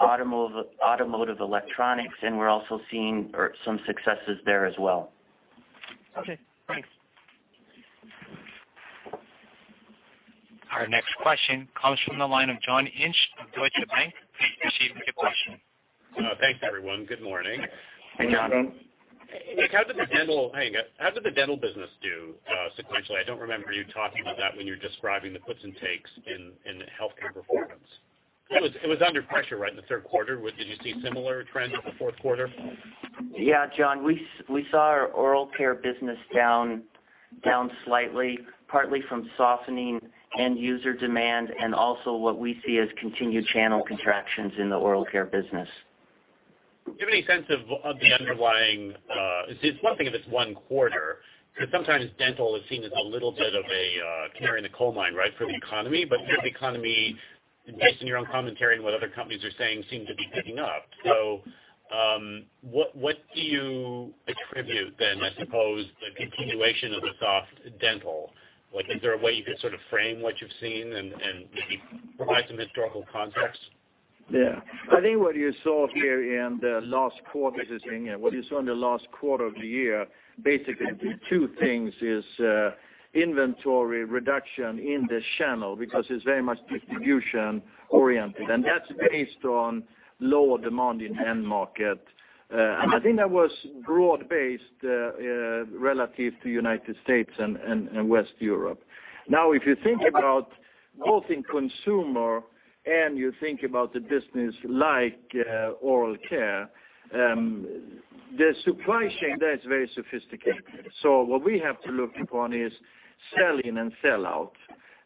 automotive electronics, we're also seeing some successes there as well. Okay, thanks. Our next question comes from the line of John Inch of Deutsche Bank. Please proceed with your question. Thanks, everyone. Good morning. Hey, John. Nick, how did the dental business do sequentially? I don't remember you talking about that when you were describing the puts and takes in the Healthcare performance. It was under pressure, right, in the third quarter. Did you see similar trends in the fourth quarter? Yeah, John, we saw our oral care business down slightly, partly from softening end-user demand and also what we see as continued channel contractions in the oral care business. Do you have any sense of the underlying it's one thing if it's one quarter. Sometimes dental is seen as a little bit of a canary in the coal mine for the economy. For the economy, based on your own commentary and what other companies are saying, seem to be picking up. What do you attribute then, I suppose, the continuation of the soft dental? Is there a way you could frame what you've seen and maybe provide some historical context? Yeah. I think what you saw here in the last quarter, this is Inge. What you saw in the last quarter of the year, basically two things is inventory reduction in the channel because it's very much distribution-oriented, and that's based on lower demand in end market. I think that was broad-based, relative to the U.S. and West Europe. If you think about both in Consumer and you think about the business like oral care, the supply chain there is very sophisticated. What we have to look upon is sell-in and sell-out.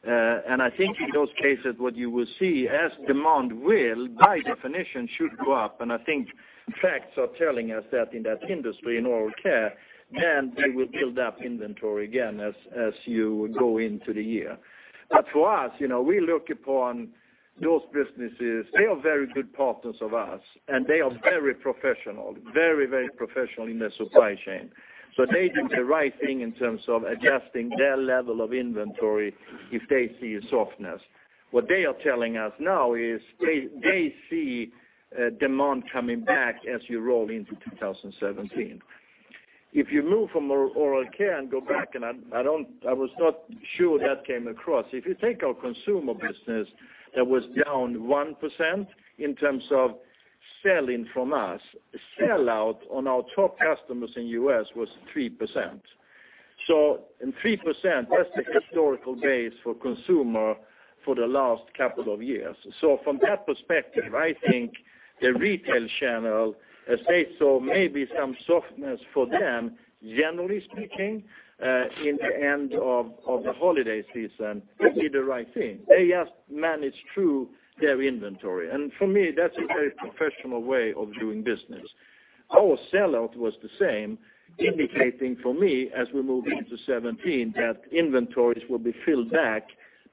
I think in those cases what you will see as demand will, by definition, should go up. I think facts are telling us that in that industry, in oral care, they will build up inventory again as you go into the year. For us, we look upon those businesses. They are very good partners of ours, and they are very professional. Very professional in their supply chain. They did the right thing in terms of adjusting their level of inventory if they see a softness. What they are telling us now is they see demand coming back as you roll into 2017. If you move from oral care and go back, and I was not sure that came across. If you take our Consumer business that was down 1% in terms of sell-in from us, sell-out on our top customers in U.S. was 3%. In 3%, that's the historical base for Consumer for the last couple of years. From that perspective, I think the retail channel has said so maybe some softness for them, generally speaking, in the end of the holiday season, they did the right thing. They just managed through their inventory. For me, that's a very professional way of doing business. Our sell-out was the same, indicating for me as we move into 2017, that inventories will be filled back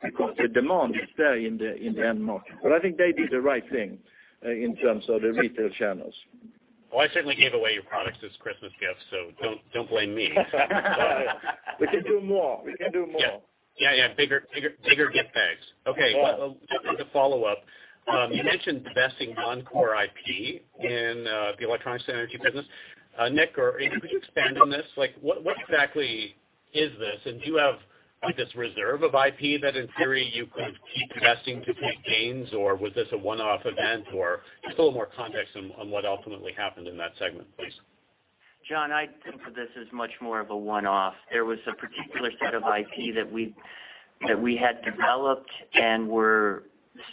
because the demand is there in the end market. I think they did the right thing, in terms of the retail channels. Well, I certainly gave away your products as Christmas gifts, so don't blame me. We can do more. Yeah. Bigger gift bags. Okay. As a follow-up, you mentioned divesting non-core IP in the Electronics and Energy business. Nick, could you expand on this? What exactly is this? Do you have this reserve of IP that in theory you could keep divesting to take gains, or was this a one-off event? Just a little more context on what ultimately happened in that segment, please. John, I think of this as much more of a one-off. There was a particular set of IP that we had developed and were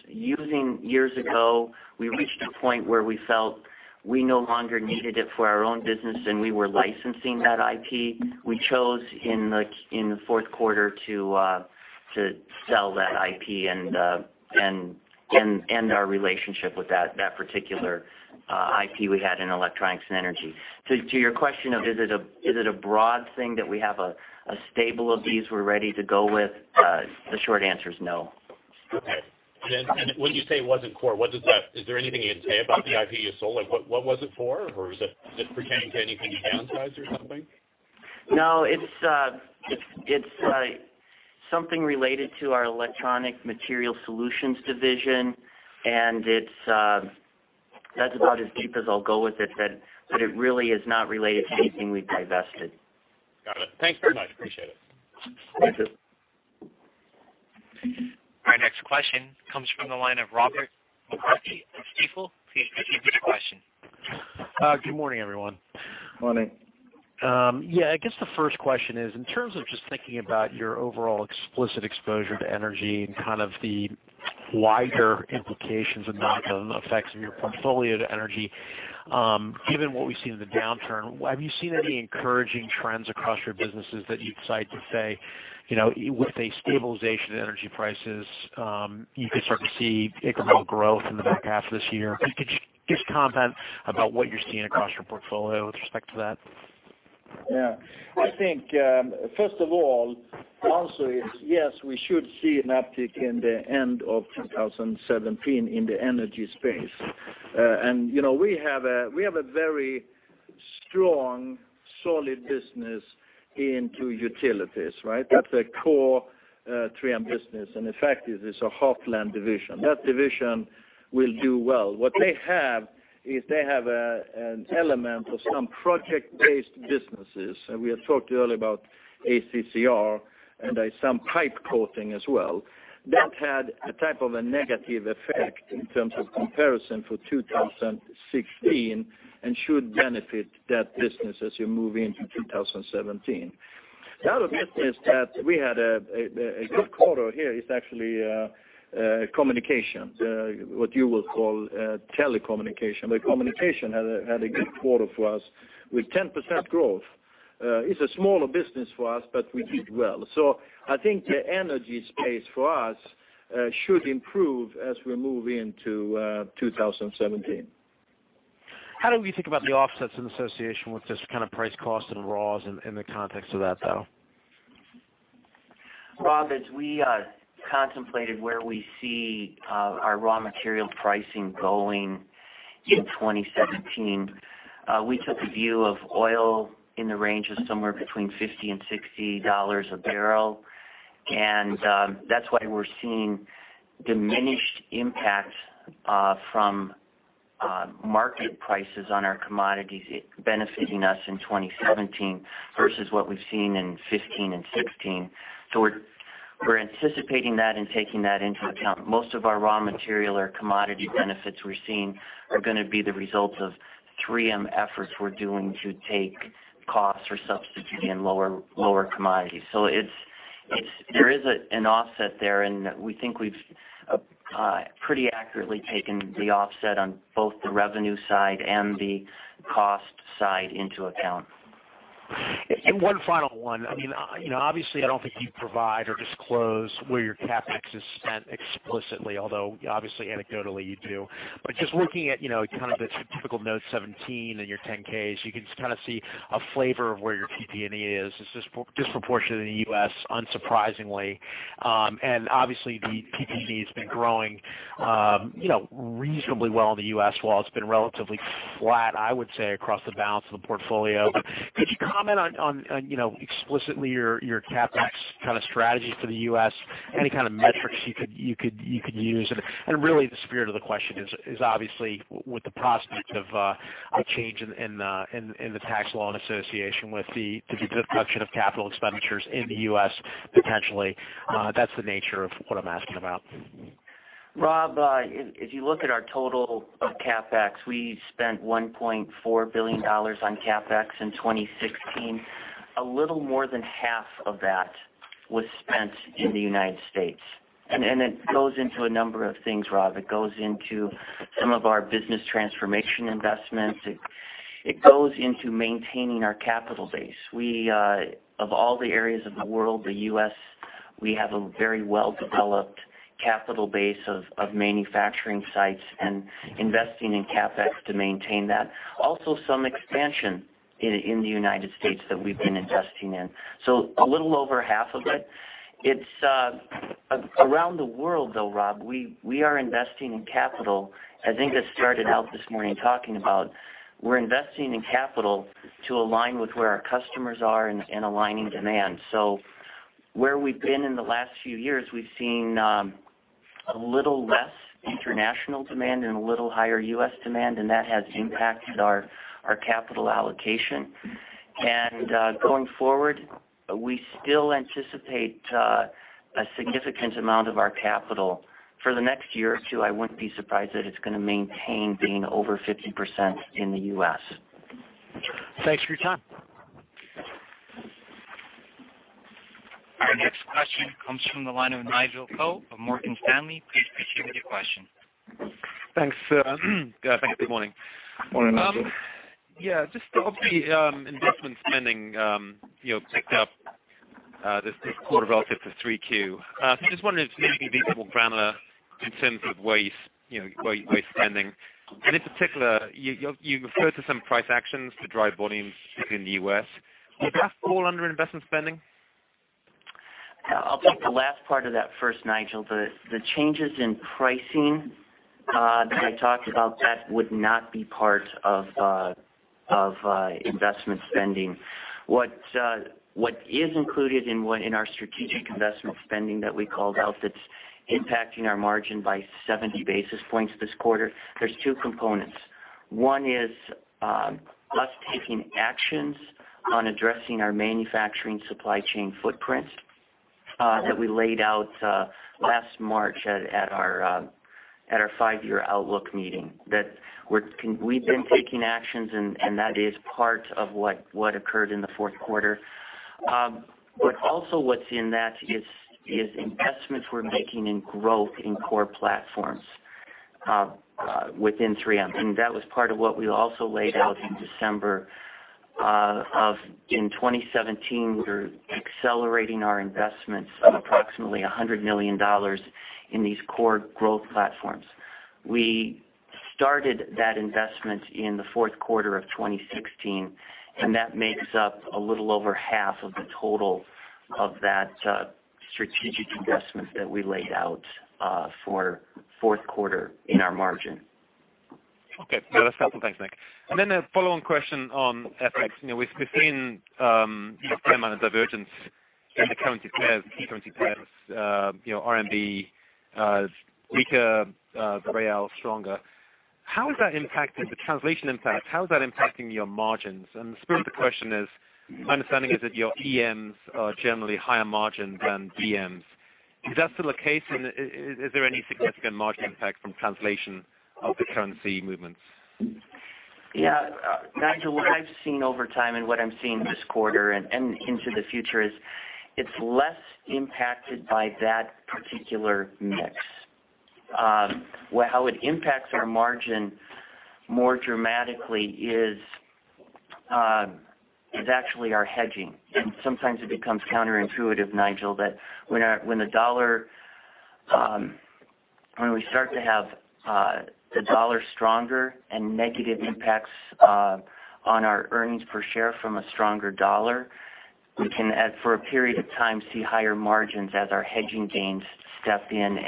using years ago. We reached a point where we felt we no longer needed it for our own business, and we were licensing that IP. We chose in the fourth quarter to sell that IP and end our relationship with that particular IP we had in Electronics and Energy. To your question of, is it a broad thing that we have a stable of these we're ready to go with? The short answer is no. Okay. When you say it wasn't core, is there anything you can say about the IP you sold? What was it for? Is it pertaining to anything you downsized or something? No, it's something related to our Electronic Materials Solutions division, That's about as deep as I'll go with it, that it really is not related to anything we divested. Got it. Thanks very much. Appreciate it. Thank you. Our next question comes from the line of Robert McCarthy of Stifel. Please proceed with your question. Good morning, everyone. Morning. I guess the first question is, in terms of just thinking about your overall explicit exposure to energy and kind of the wider implications and not the effects of your portfolio to energy, given what we have seen in the downturn, have you seen any encouraging trends across your businesses that you decide to say, with a stabilization in energy prices, you could start to see incremental growth in the back half of this year? Could you just comment about what you are seeing across your portfolio with respect to that? I think, first of all, the answer is yes, we should see an uptick in the end of 2017 in the energy space. We have a very strong, solid business into utilities, right? That is a core 3M business, and in fact, it is our Heartland division. That division will do well. What they have is they have an element of some project-based businesses. We have talked earlier about ACCR and some pipe coating as well. That had a type of a negative effect in terms of comparison for 2016 and should benefit that business as you move into 2017. The other business that we had a good quarter here is actually communications, what you will call telecommunication. Communication had a good quarter for us with 10% growth. It is a smaller business for us, but we did well. I think the energy space for us should improve as we move into 2017. How do we think about the offsets in association with this kind of price cost and raws in the context of that, though? Robert, as we contemplated where we see our raw material pricing going in 2017, we took a view of oil in the range of somewhere between $50 and $60 a barrel. That's why we're seeing diminished impacts from market prices on our commodities benefiting us in 2017 versus what we've seen in 2015 and 2016. We're anticipating that and taking that into account. Most of our raw material or commodity benefits we're seeing are going to be the result of 3M efforts we're doing to take costs or substitute in lower commodities. There is an offset there, and we think we've pretty accurately taken the offset on both the revenue side and the cost side into account. One final one. Obviously, I don't think you provide or disclose where your CapEx is spent explicitly, although obviously anecdotally you do. But just looking at kind of the typical Note 17 in your 10-Ks, you can kind of see a flavor of where your PP&E is. It's disproportionate in the U.S., unsurprisingly. Obviously the PP&E has been growing reasonably well in the U.S., while it's been relatively flat, I would say, across the balance of the portfolio. Could you comment on explicitly your CapEx kind of strategy for the U.S., any kind of metrics you could use? Really the spirit of the question is obviously with the prospect of a change in the tax law in association with the deduction of capital expenditures in the U.S., potentially. That's the nature of what I'm asking about. Robert, if you look at our total of CapEx, we spent $1.4 billion on CapEx in 2016. A little more than half of that was spent in the United States. It goes into a number of things, Robert. It goes into some of our business transformation investments. It goes into maintaining our capital base. Of all the areas of the world, the U.S., we have a very well-developed capital base of manufacturing sites and investing in CapEx to maintain that. Also, some expansion in the United States that we've been investing in. A little over half of it. Around the world though, Robert, we are investing in capital. I think I started out this morning talking about we're investing in capital to align with where our customers are and aligning demand. Where we've been in the last few years, we've seen a little less international demand and a little higher U.S. demand, and that has impacted our capital allocation. Going forward, we still anticipate a significant amount of our capital. For the next year or two, I wouldn't be surprised if it's going to maintain being over 50% in the U.S. Thanks for your time. Our next question comes from the line of Nigel Coe of Morgan Stanley. Please proceed with your question. Thanks. Good morning. Morning, Nigel. Yeah. Obviously, investment spending picked up this quarter relative to 3Q. Wondering if you can give me a little granular in terms of where you're spending. In particular, you referred to some price actions to drive volumes in the U.S. Would that fall under investment spending? I'll take the last part of that first, Nigel. The changes in pricing that I talked about, that would not be part of investment spending. What is included in our strategic investment spending that we called out that's impacting our margin by 70 basis points this quarter, there's two components. One is us taking actions on addressing our manufacturing supply chain footprint that we laid out last March at our five-year outlook meeting. We've been taking actions, that is part of what occurred in the fourth quarter. Also what's in that is investments we're making in growth in core platforms within 3M. That was part of what we also laid out in December of 2017. We're accelerating our investments of approximately $100 million in these core growth platforms. We started that investment in the fourth quarter of 2016. That makes up a little over half of the total of that strategic investment that we laid out for fourth quarter in our margin. Okay. No, that's helpful. Thanks, Nick. Then a follow-on question on FX. We've seen a fair amount of divergence in the currency pairs. RMB weaker, the real stronger. The translation impact, how is that impacting your margins? The spirit of the question is, my understanding is that your EMs are generally higher margin than DMs. Is that still the case? Is there any significant margin impact from translation of the currency movements? Yeah. Nigel, what I've seen over time and what I'm seeing this quarter and into the future is it's less impacted by that particular mix. How it impacts our margin more dramatically is actually our hedging. Sometimes it becomes counterintuitive, Nigel, that when we start to have the U.S. dollar stronger and negative impacts on our earnings per share from a stronger U.S. dollar, we can, for a period of time, see higher margins as our hedging gains step in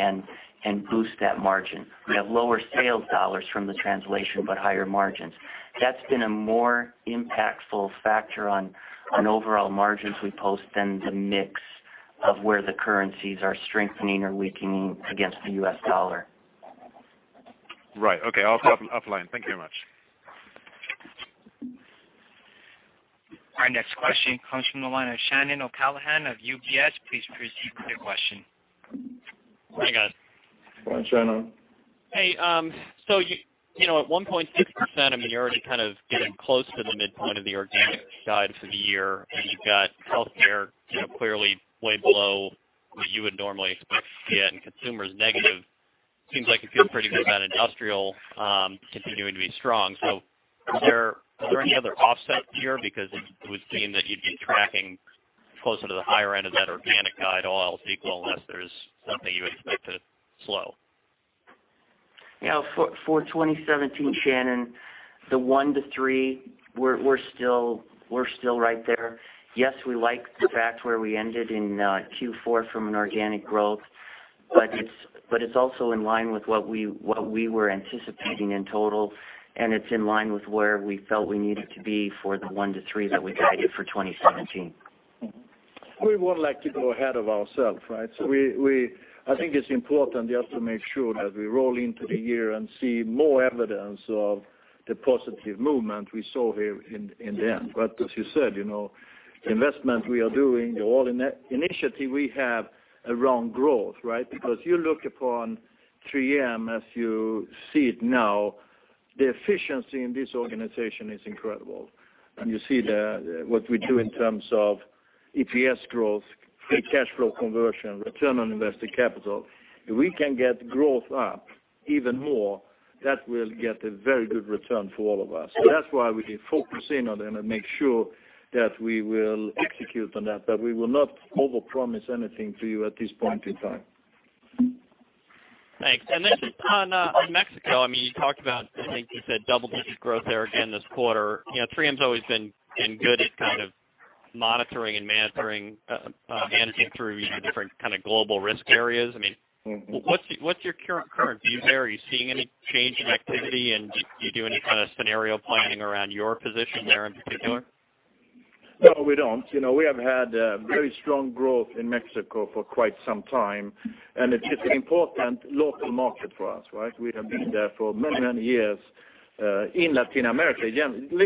and boost that margin. We have lower sales dollars from the translation, but higher margins. That's been a more impactful factor on overall margins we post than the mix of where the currencies are strengthening or weakening against the U.S. dollar. Right. Okay. I'll come off the line. Thank you very much. Our next question comes from the line of Shannon O'Callaghan of UBS. Please proceed with your question. Hi, guys. Hi, Shannon. Hey, I mean, you're already kind of getting close to the midpoint of the organic guide for the year, and you've got Healthcare, clearly way below what you would normally expect to see, and Consumer is negative. Seems like you feel pretty good about Industrial continuing to be strong. Are there any other offsets here? It would seem that you'd be tracking closer to the higher end of that organic guide, all else equal, unless there's something you expect to slow. For 2017, Shannon, the 1%-3%, we're still right there. Yes, we like the fact where we ended in Q4 from an organic growth. It's also in line with what we were anticipating in total, and it's in line with where we felt we needed to be for the 1%-3% that we guided for 2017. We wouldn't like to go ahead of ourselves. I think it's important just to make sure as we roll into the year and see more evidence of the positive movement we saw here in the end. As you said, the investment we are doing, the whole initiative we have around growth. You look upon 3M as you see it now, the efficiency in this organization is incredible. You see what we do in terms of EPS growth, free cash flow conversion, return on invested capital. If we can get growth up even more, that will get a very good return for all of us. That's why we focus in on them and make sure that we will execute on that, but we will not overpromise anything to you at this point in time. Thanks. Just on Mexico, you talked about, I think you said double-digit growth there again this quarter. 3M's always been good at kind of monitoring and managing through different kind of global risk areas. What's your current view there? Are you seeing any change in activity, and do you do any kind of scenario planning around your position there in particular? No, we don't. We have had very strong growth in Mexico for quite some time, it's just an important local market for us. We have been there for many years. In Latin America, generally,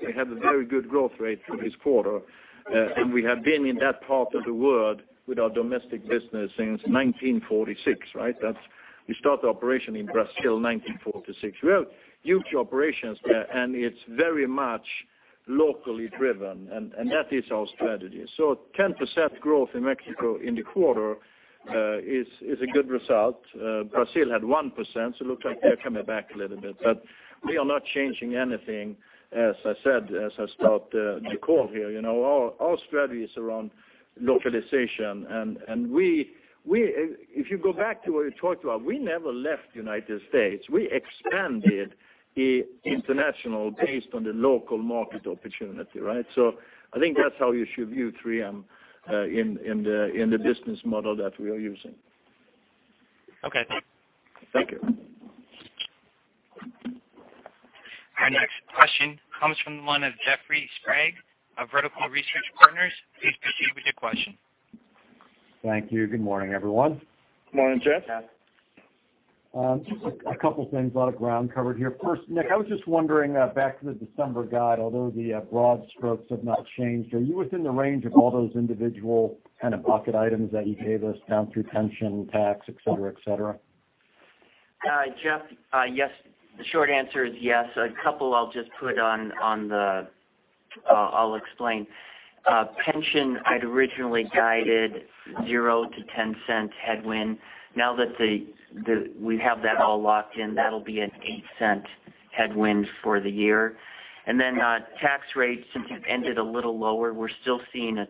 we had a very good growth rate for this quarter. We have been in that part of the world with our domestic business since 1946. We started the operation in Brazil 1946. We have huge operations there, it's very much locally driven, that is our strategy. 10% growth in Mexico in the quarter is a good result. Brazil had 1%, it looks like they're coming back a little bit. We are not changing anything, as I said, as I started the call here. Our strategy is around localization, if you go back to what we talked about, we never left U.S. We expanded international based on the local market opportunity. I think that's how you should view 3M in the business model that we are using. Okay, thanks. Thank you. Our next question comes from the line of Jeffrey Sprague of Vertical Research Partners. Please proceed with your question. Thank you. Good morning, everyone. Morning, Jeff. Just a couple things. A lot of ground covered here. First, Nick, I was just wondering, back to the December guide, although the broad strokes have not changed, are you within the range of all those individual kind of bucket items that you gave us down through pension, tax, et cetera? Jeff, yes. The short answer is yes. A couple I'll just explain. Pension, I'd originally guided 0 to $0.10 headwind. Now that we have that all locked in, that'll be an $0.08 headwind for the year. Tax rates, since we've ended a little lower, we're still seeing a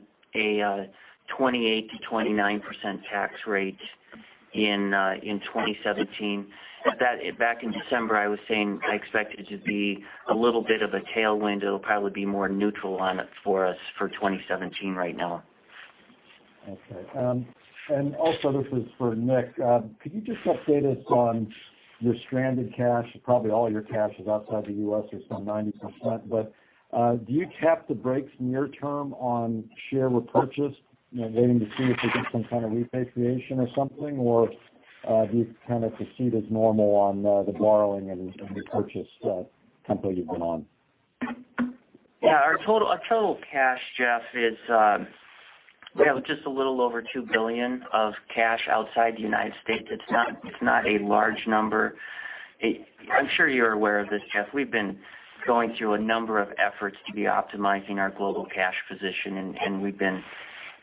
28%-29% tax rate in 2017. Back in December, I was saying I expect it to be a little bit of a tailwind. It'll probably be more neutral on it for us for 2017 right now. Okay. This is for Nick. Could you just update us on your stranded cash? Probably all your cash is outside the U.S. or some 90%, do you cap the breaks near-term on share repurchase, waiting to see if we get some kind of repatriation or something, or do you kind of proceed as normal on the borrowing and the repurchase tempo you've been on? Yeah. Our total cash, Jeff, is we have just a little over $2 billion of cash outside the United States. It's not a large number. I'm sure you're aware of this, Jeff. We've been going through a number of efforts to be optimizing our global cash position.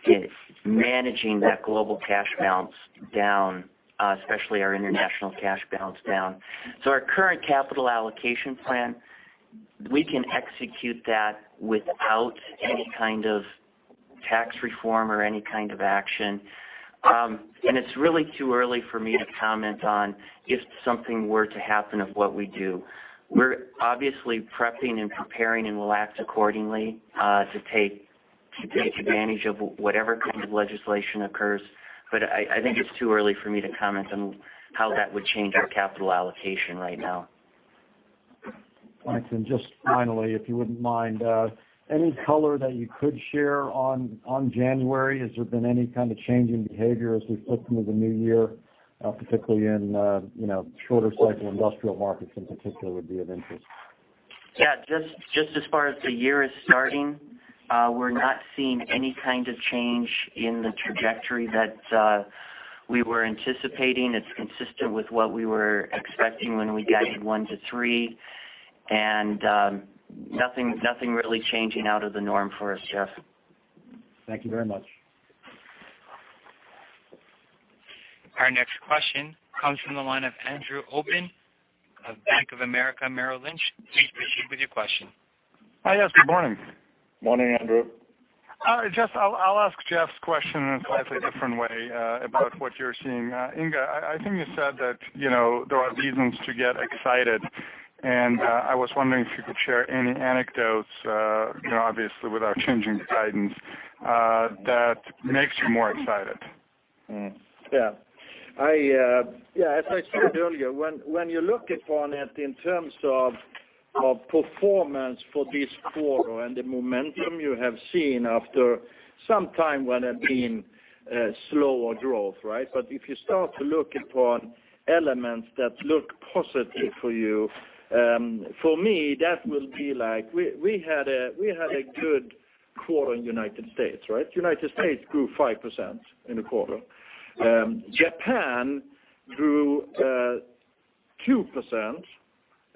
Is managing that global cash balance down, especially our international cash balance down. Our current capital allocation plan, we can execute that without any kind of tax reform or any kind of action. It's really too early for me to comment on if something were to happen, of what we do. We're obviously prepping and preparing and we'll act accordingly to take advantage of whatever kind of legislation occurs. I think it's too early for me to comment on how that would change our capital allocation right now. Nick, just finally, if you wouldn't mind, any color that you could share on January, has there been any kind of change in behavior as we flip into the new year? Particularly in shorter cycle Industrial markets in particular, would be of interest. Yeah. Just as far as the year is starting, we're not seeing any kind of change in the trajectory that we were anticipating. It's consistent with what we were expecting when we guided 1%-3%, nothing really changing out of the norm for us, Jeff. Thank you very much. Our next question comes from the line of Andrew Obin of Bank of America, Merrill Lynch. Please proceed with your question. Hi, yes, good morning. Morning, Andrew. All right, I'll ask Jeff's question in a slightly different way about what you're seeing. Inge, I think you said that there are reasons to get excited, and I was wondering if you could share any anecdotes, obviously without changing guidance, that makes you more excited. Yeah. As I said earlier, when you look upon it in terms of performance for this quarter and the momentum you have seen after some time when there's been slower growth, right? If you start to look upon elements that look positive for you, for me, that will be like, we had a good quarter in the U.S., right? U.S. grew 5% in the quarter. Japan grew 2%,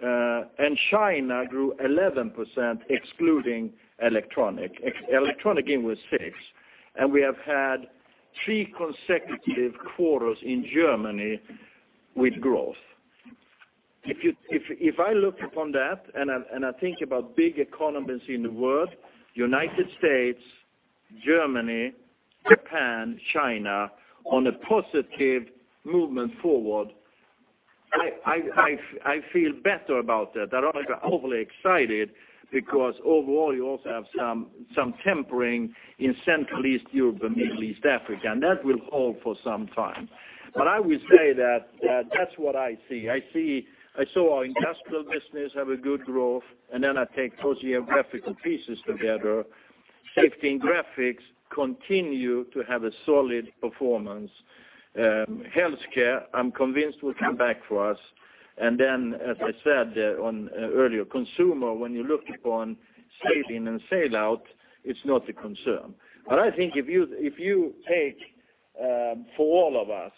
and China grew 11%, excluding Electronics and Energy. Electronics and Energy again was 6%. We have had three consecutive quarters in Germany with growth. If I look upon that, I think about big economies in the world, U.S., Germany, Japan, China, on a positive movement forward, I feel better about that. They're overly excited because overall, you also have some tempering in Central East Europe and Middle East Africa, and that will hold for some time. I would say that that's what I see. I saw our Industrial business have a good growth. I take those geographical pieces together. Safety and Graphics continue to have a solid performance. Healthcare, I'm convinced, will come back for us. As I said earlier, Consumer, when you look upon sale-in and sell out, it's not a concern. I think if you take, for all of us,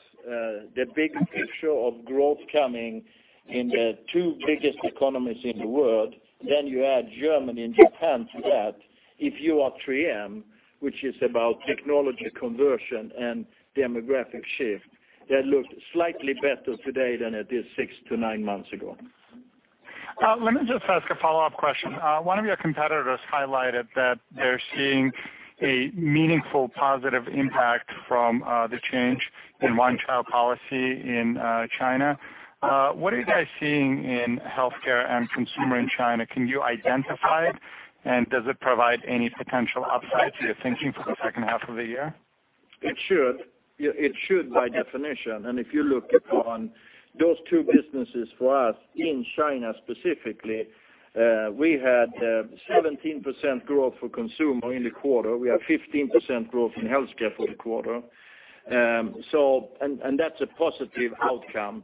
the big picture of growth coming in the two biggest economies in the world, you add Germany and Japan to that, if you are 3M, which is about technology conversion and demographic shift, that looks slightly better today than it did six to nine months ago. Let me just ask a follow-up question. One of your competitors highlighted that they're seeing a meaningful positive impact from the change in one-child policy in China. What are you guys seeing in Healthcare and Consumer in China? Can you identify it, and does it provide any potential upside to your thinking for the second half of the year? It should, by definition. If you look upon those two businesses for us in China specifically, we had 17% growth for Consumer in the quarter. We have 15% growth in Healthcare for the quarter. That's a positive outcome.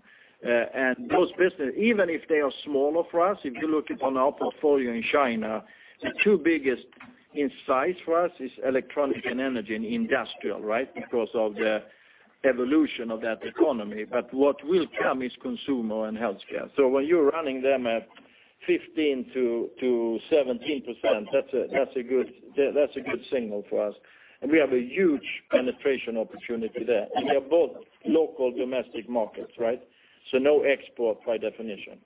Those businesses, even if they are smaller for us, if you look upon our portfolio in China, the two biggest in size for us is Electronics and Energy and Industrial, right? Because of the evolution of that economy. What will come is Consumer and Healthcare. When you're running them at 15%-17%, that's a good signal for us. We have a huge penetration opportunity there. They're both local domestic markets, right? No export by definition.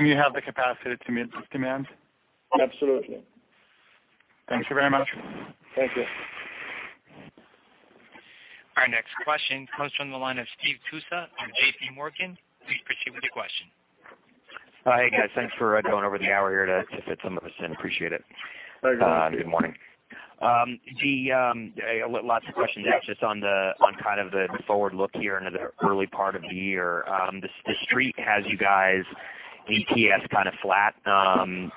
You have the capacity to meet demand? Absolutely. Thank you very much. Thank you. Our next question comes from the line of Steve Tusa from JPMorgan. Please proceed with your question. Hi. Hey guys, thanks for going over the hour here to fit some of us in. Appreciate it. Pleasure. Good morning. Lots of questions, actually, on kind of the forward look here into the early part of the year. The Street has you guys EPS kind of flat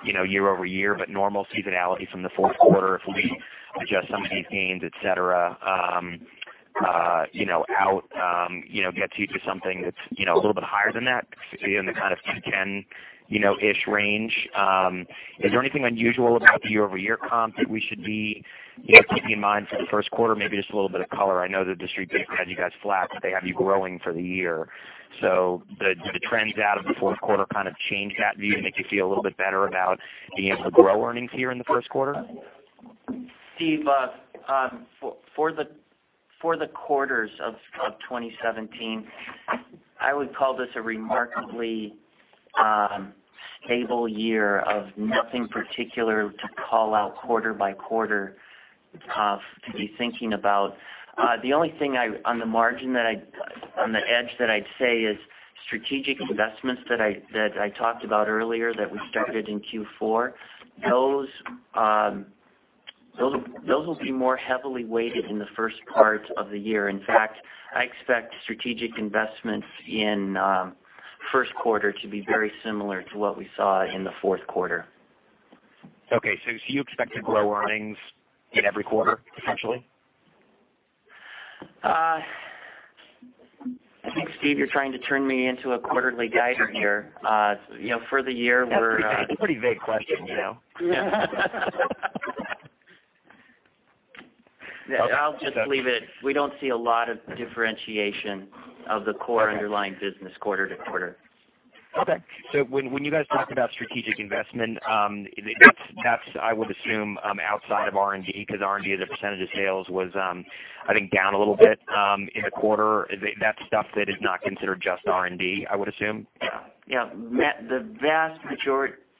year-over-year, but normal seasonality from the fourth quarter if we adjust some of these gains, et cetera out, gets you to something that's a little bit higher than that. You're in the kind of 210-ish range. Is there anything unusual about the year-over-year comp that we should be keeping in mind for the first quarter? Maybe just a little bit of color. I know that the Street did have you guys flat, but they have you growing for the year. Did the trends out of the fourth quarter kind of change that view, make you feel a little bit better about being able to grow earnings here in the first quarter? Steve, for the For the quarters of 2017, I would call this a remarkably stable year of nothing particular to call out quarter-by-quarter to be thinking about. The only thing on the edge that I'd say is strategic investments that I talked about earlier that we started in Q4, those will be more heavily weighted in the first part of the year. In fact, I expect strategic investments in first quarter to be very similar to what we saw in the fourth quarter. Okay. You expect to grow earnings in every quarter, potentially? I think, Steve, you're trying to turn me into a quarterly guider here. For the year, That's a pretty vague question. Yeah. I'll just leave it. We don't see a lot of differentiation of the core underlying business quarter to quarter. When you guys talk about strategic investment, that's, I would assume, outside of R&D, because R&D as a percentage of sales was, I think, down a little bit in the quarter. That's stuff that is not considered just R&D, I would assume. Yeah.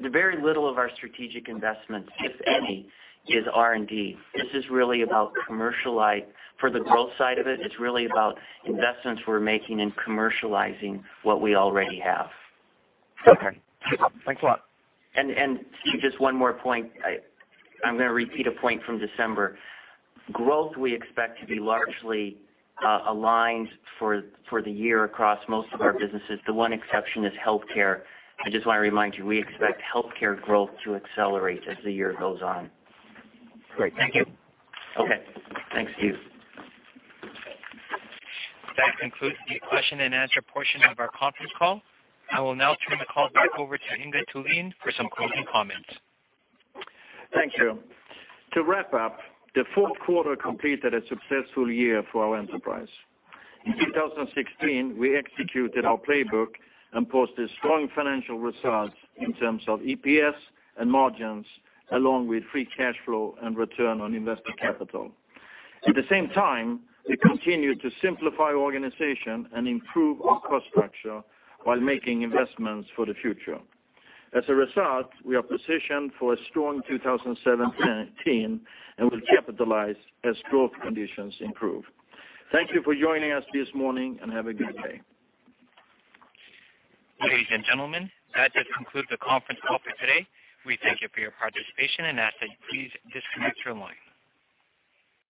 Very little of our strategic investments, if any, is R&D. This is really about commercialize. For the growth side of it's really about investments we're making in commercializing what we already have. Okay. No problem. Thanks a lot. Steve, just one more point. I'm going to repeat a point from December. Growth we expect to be largely aligned for the year across most of our businesses. The one exception is Healthcare. I just want to remind you, we expect Healthcare growth to accelerate as the year goes on. Great. Thank you. Okay. Thanks, Steve. That concludes the question and answer portion of our conference call. I will now turn the call back over to Inge Thulin for some closing comments. Thank you. To wrap up, the fourth quarter completed a successful year for our enterprise. In 2016, we executed our playbook and posted strong financial results in terms of EPS and margins, along with free cash flow and return on invested capital. At the same time, we continued to simplify organization and improve our cost structure while making investments for the future. As a result, we are positioned for a strong 2017 and will capitalize as growth conditions improve. Thank you for joining us this morning, and have a good day. Ladies and gentlemen, that does conclude the conference call for today. We thank you for your participation and ask that you please disconnect your line.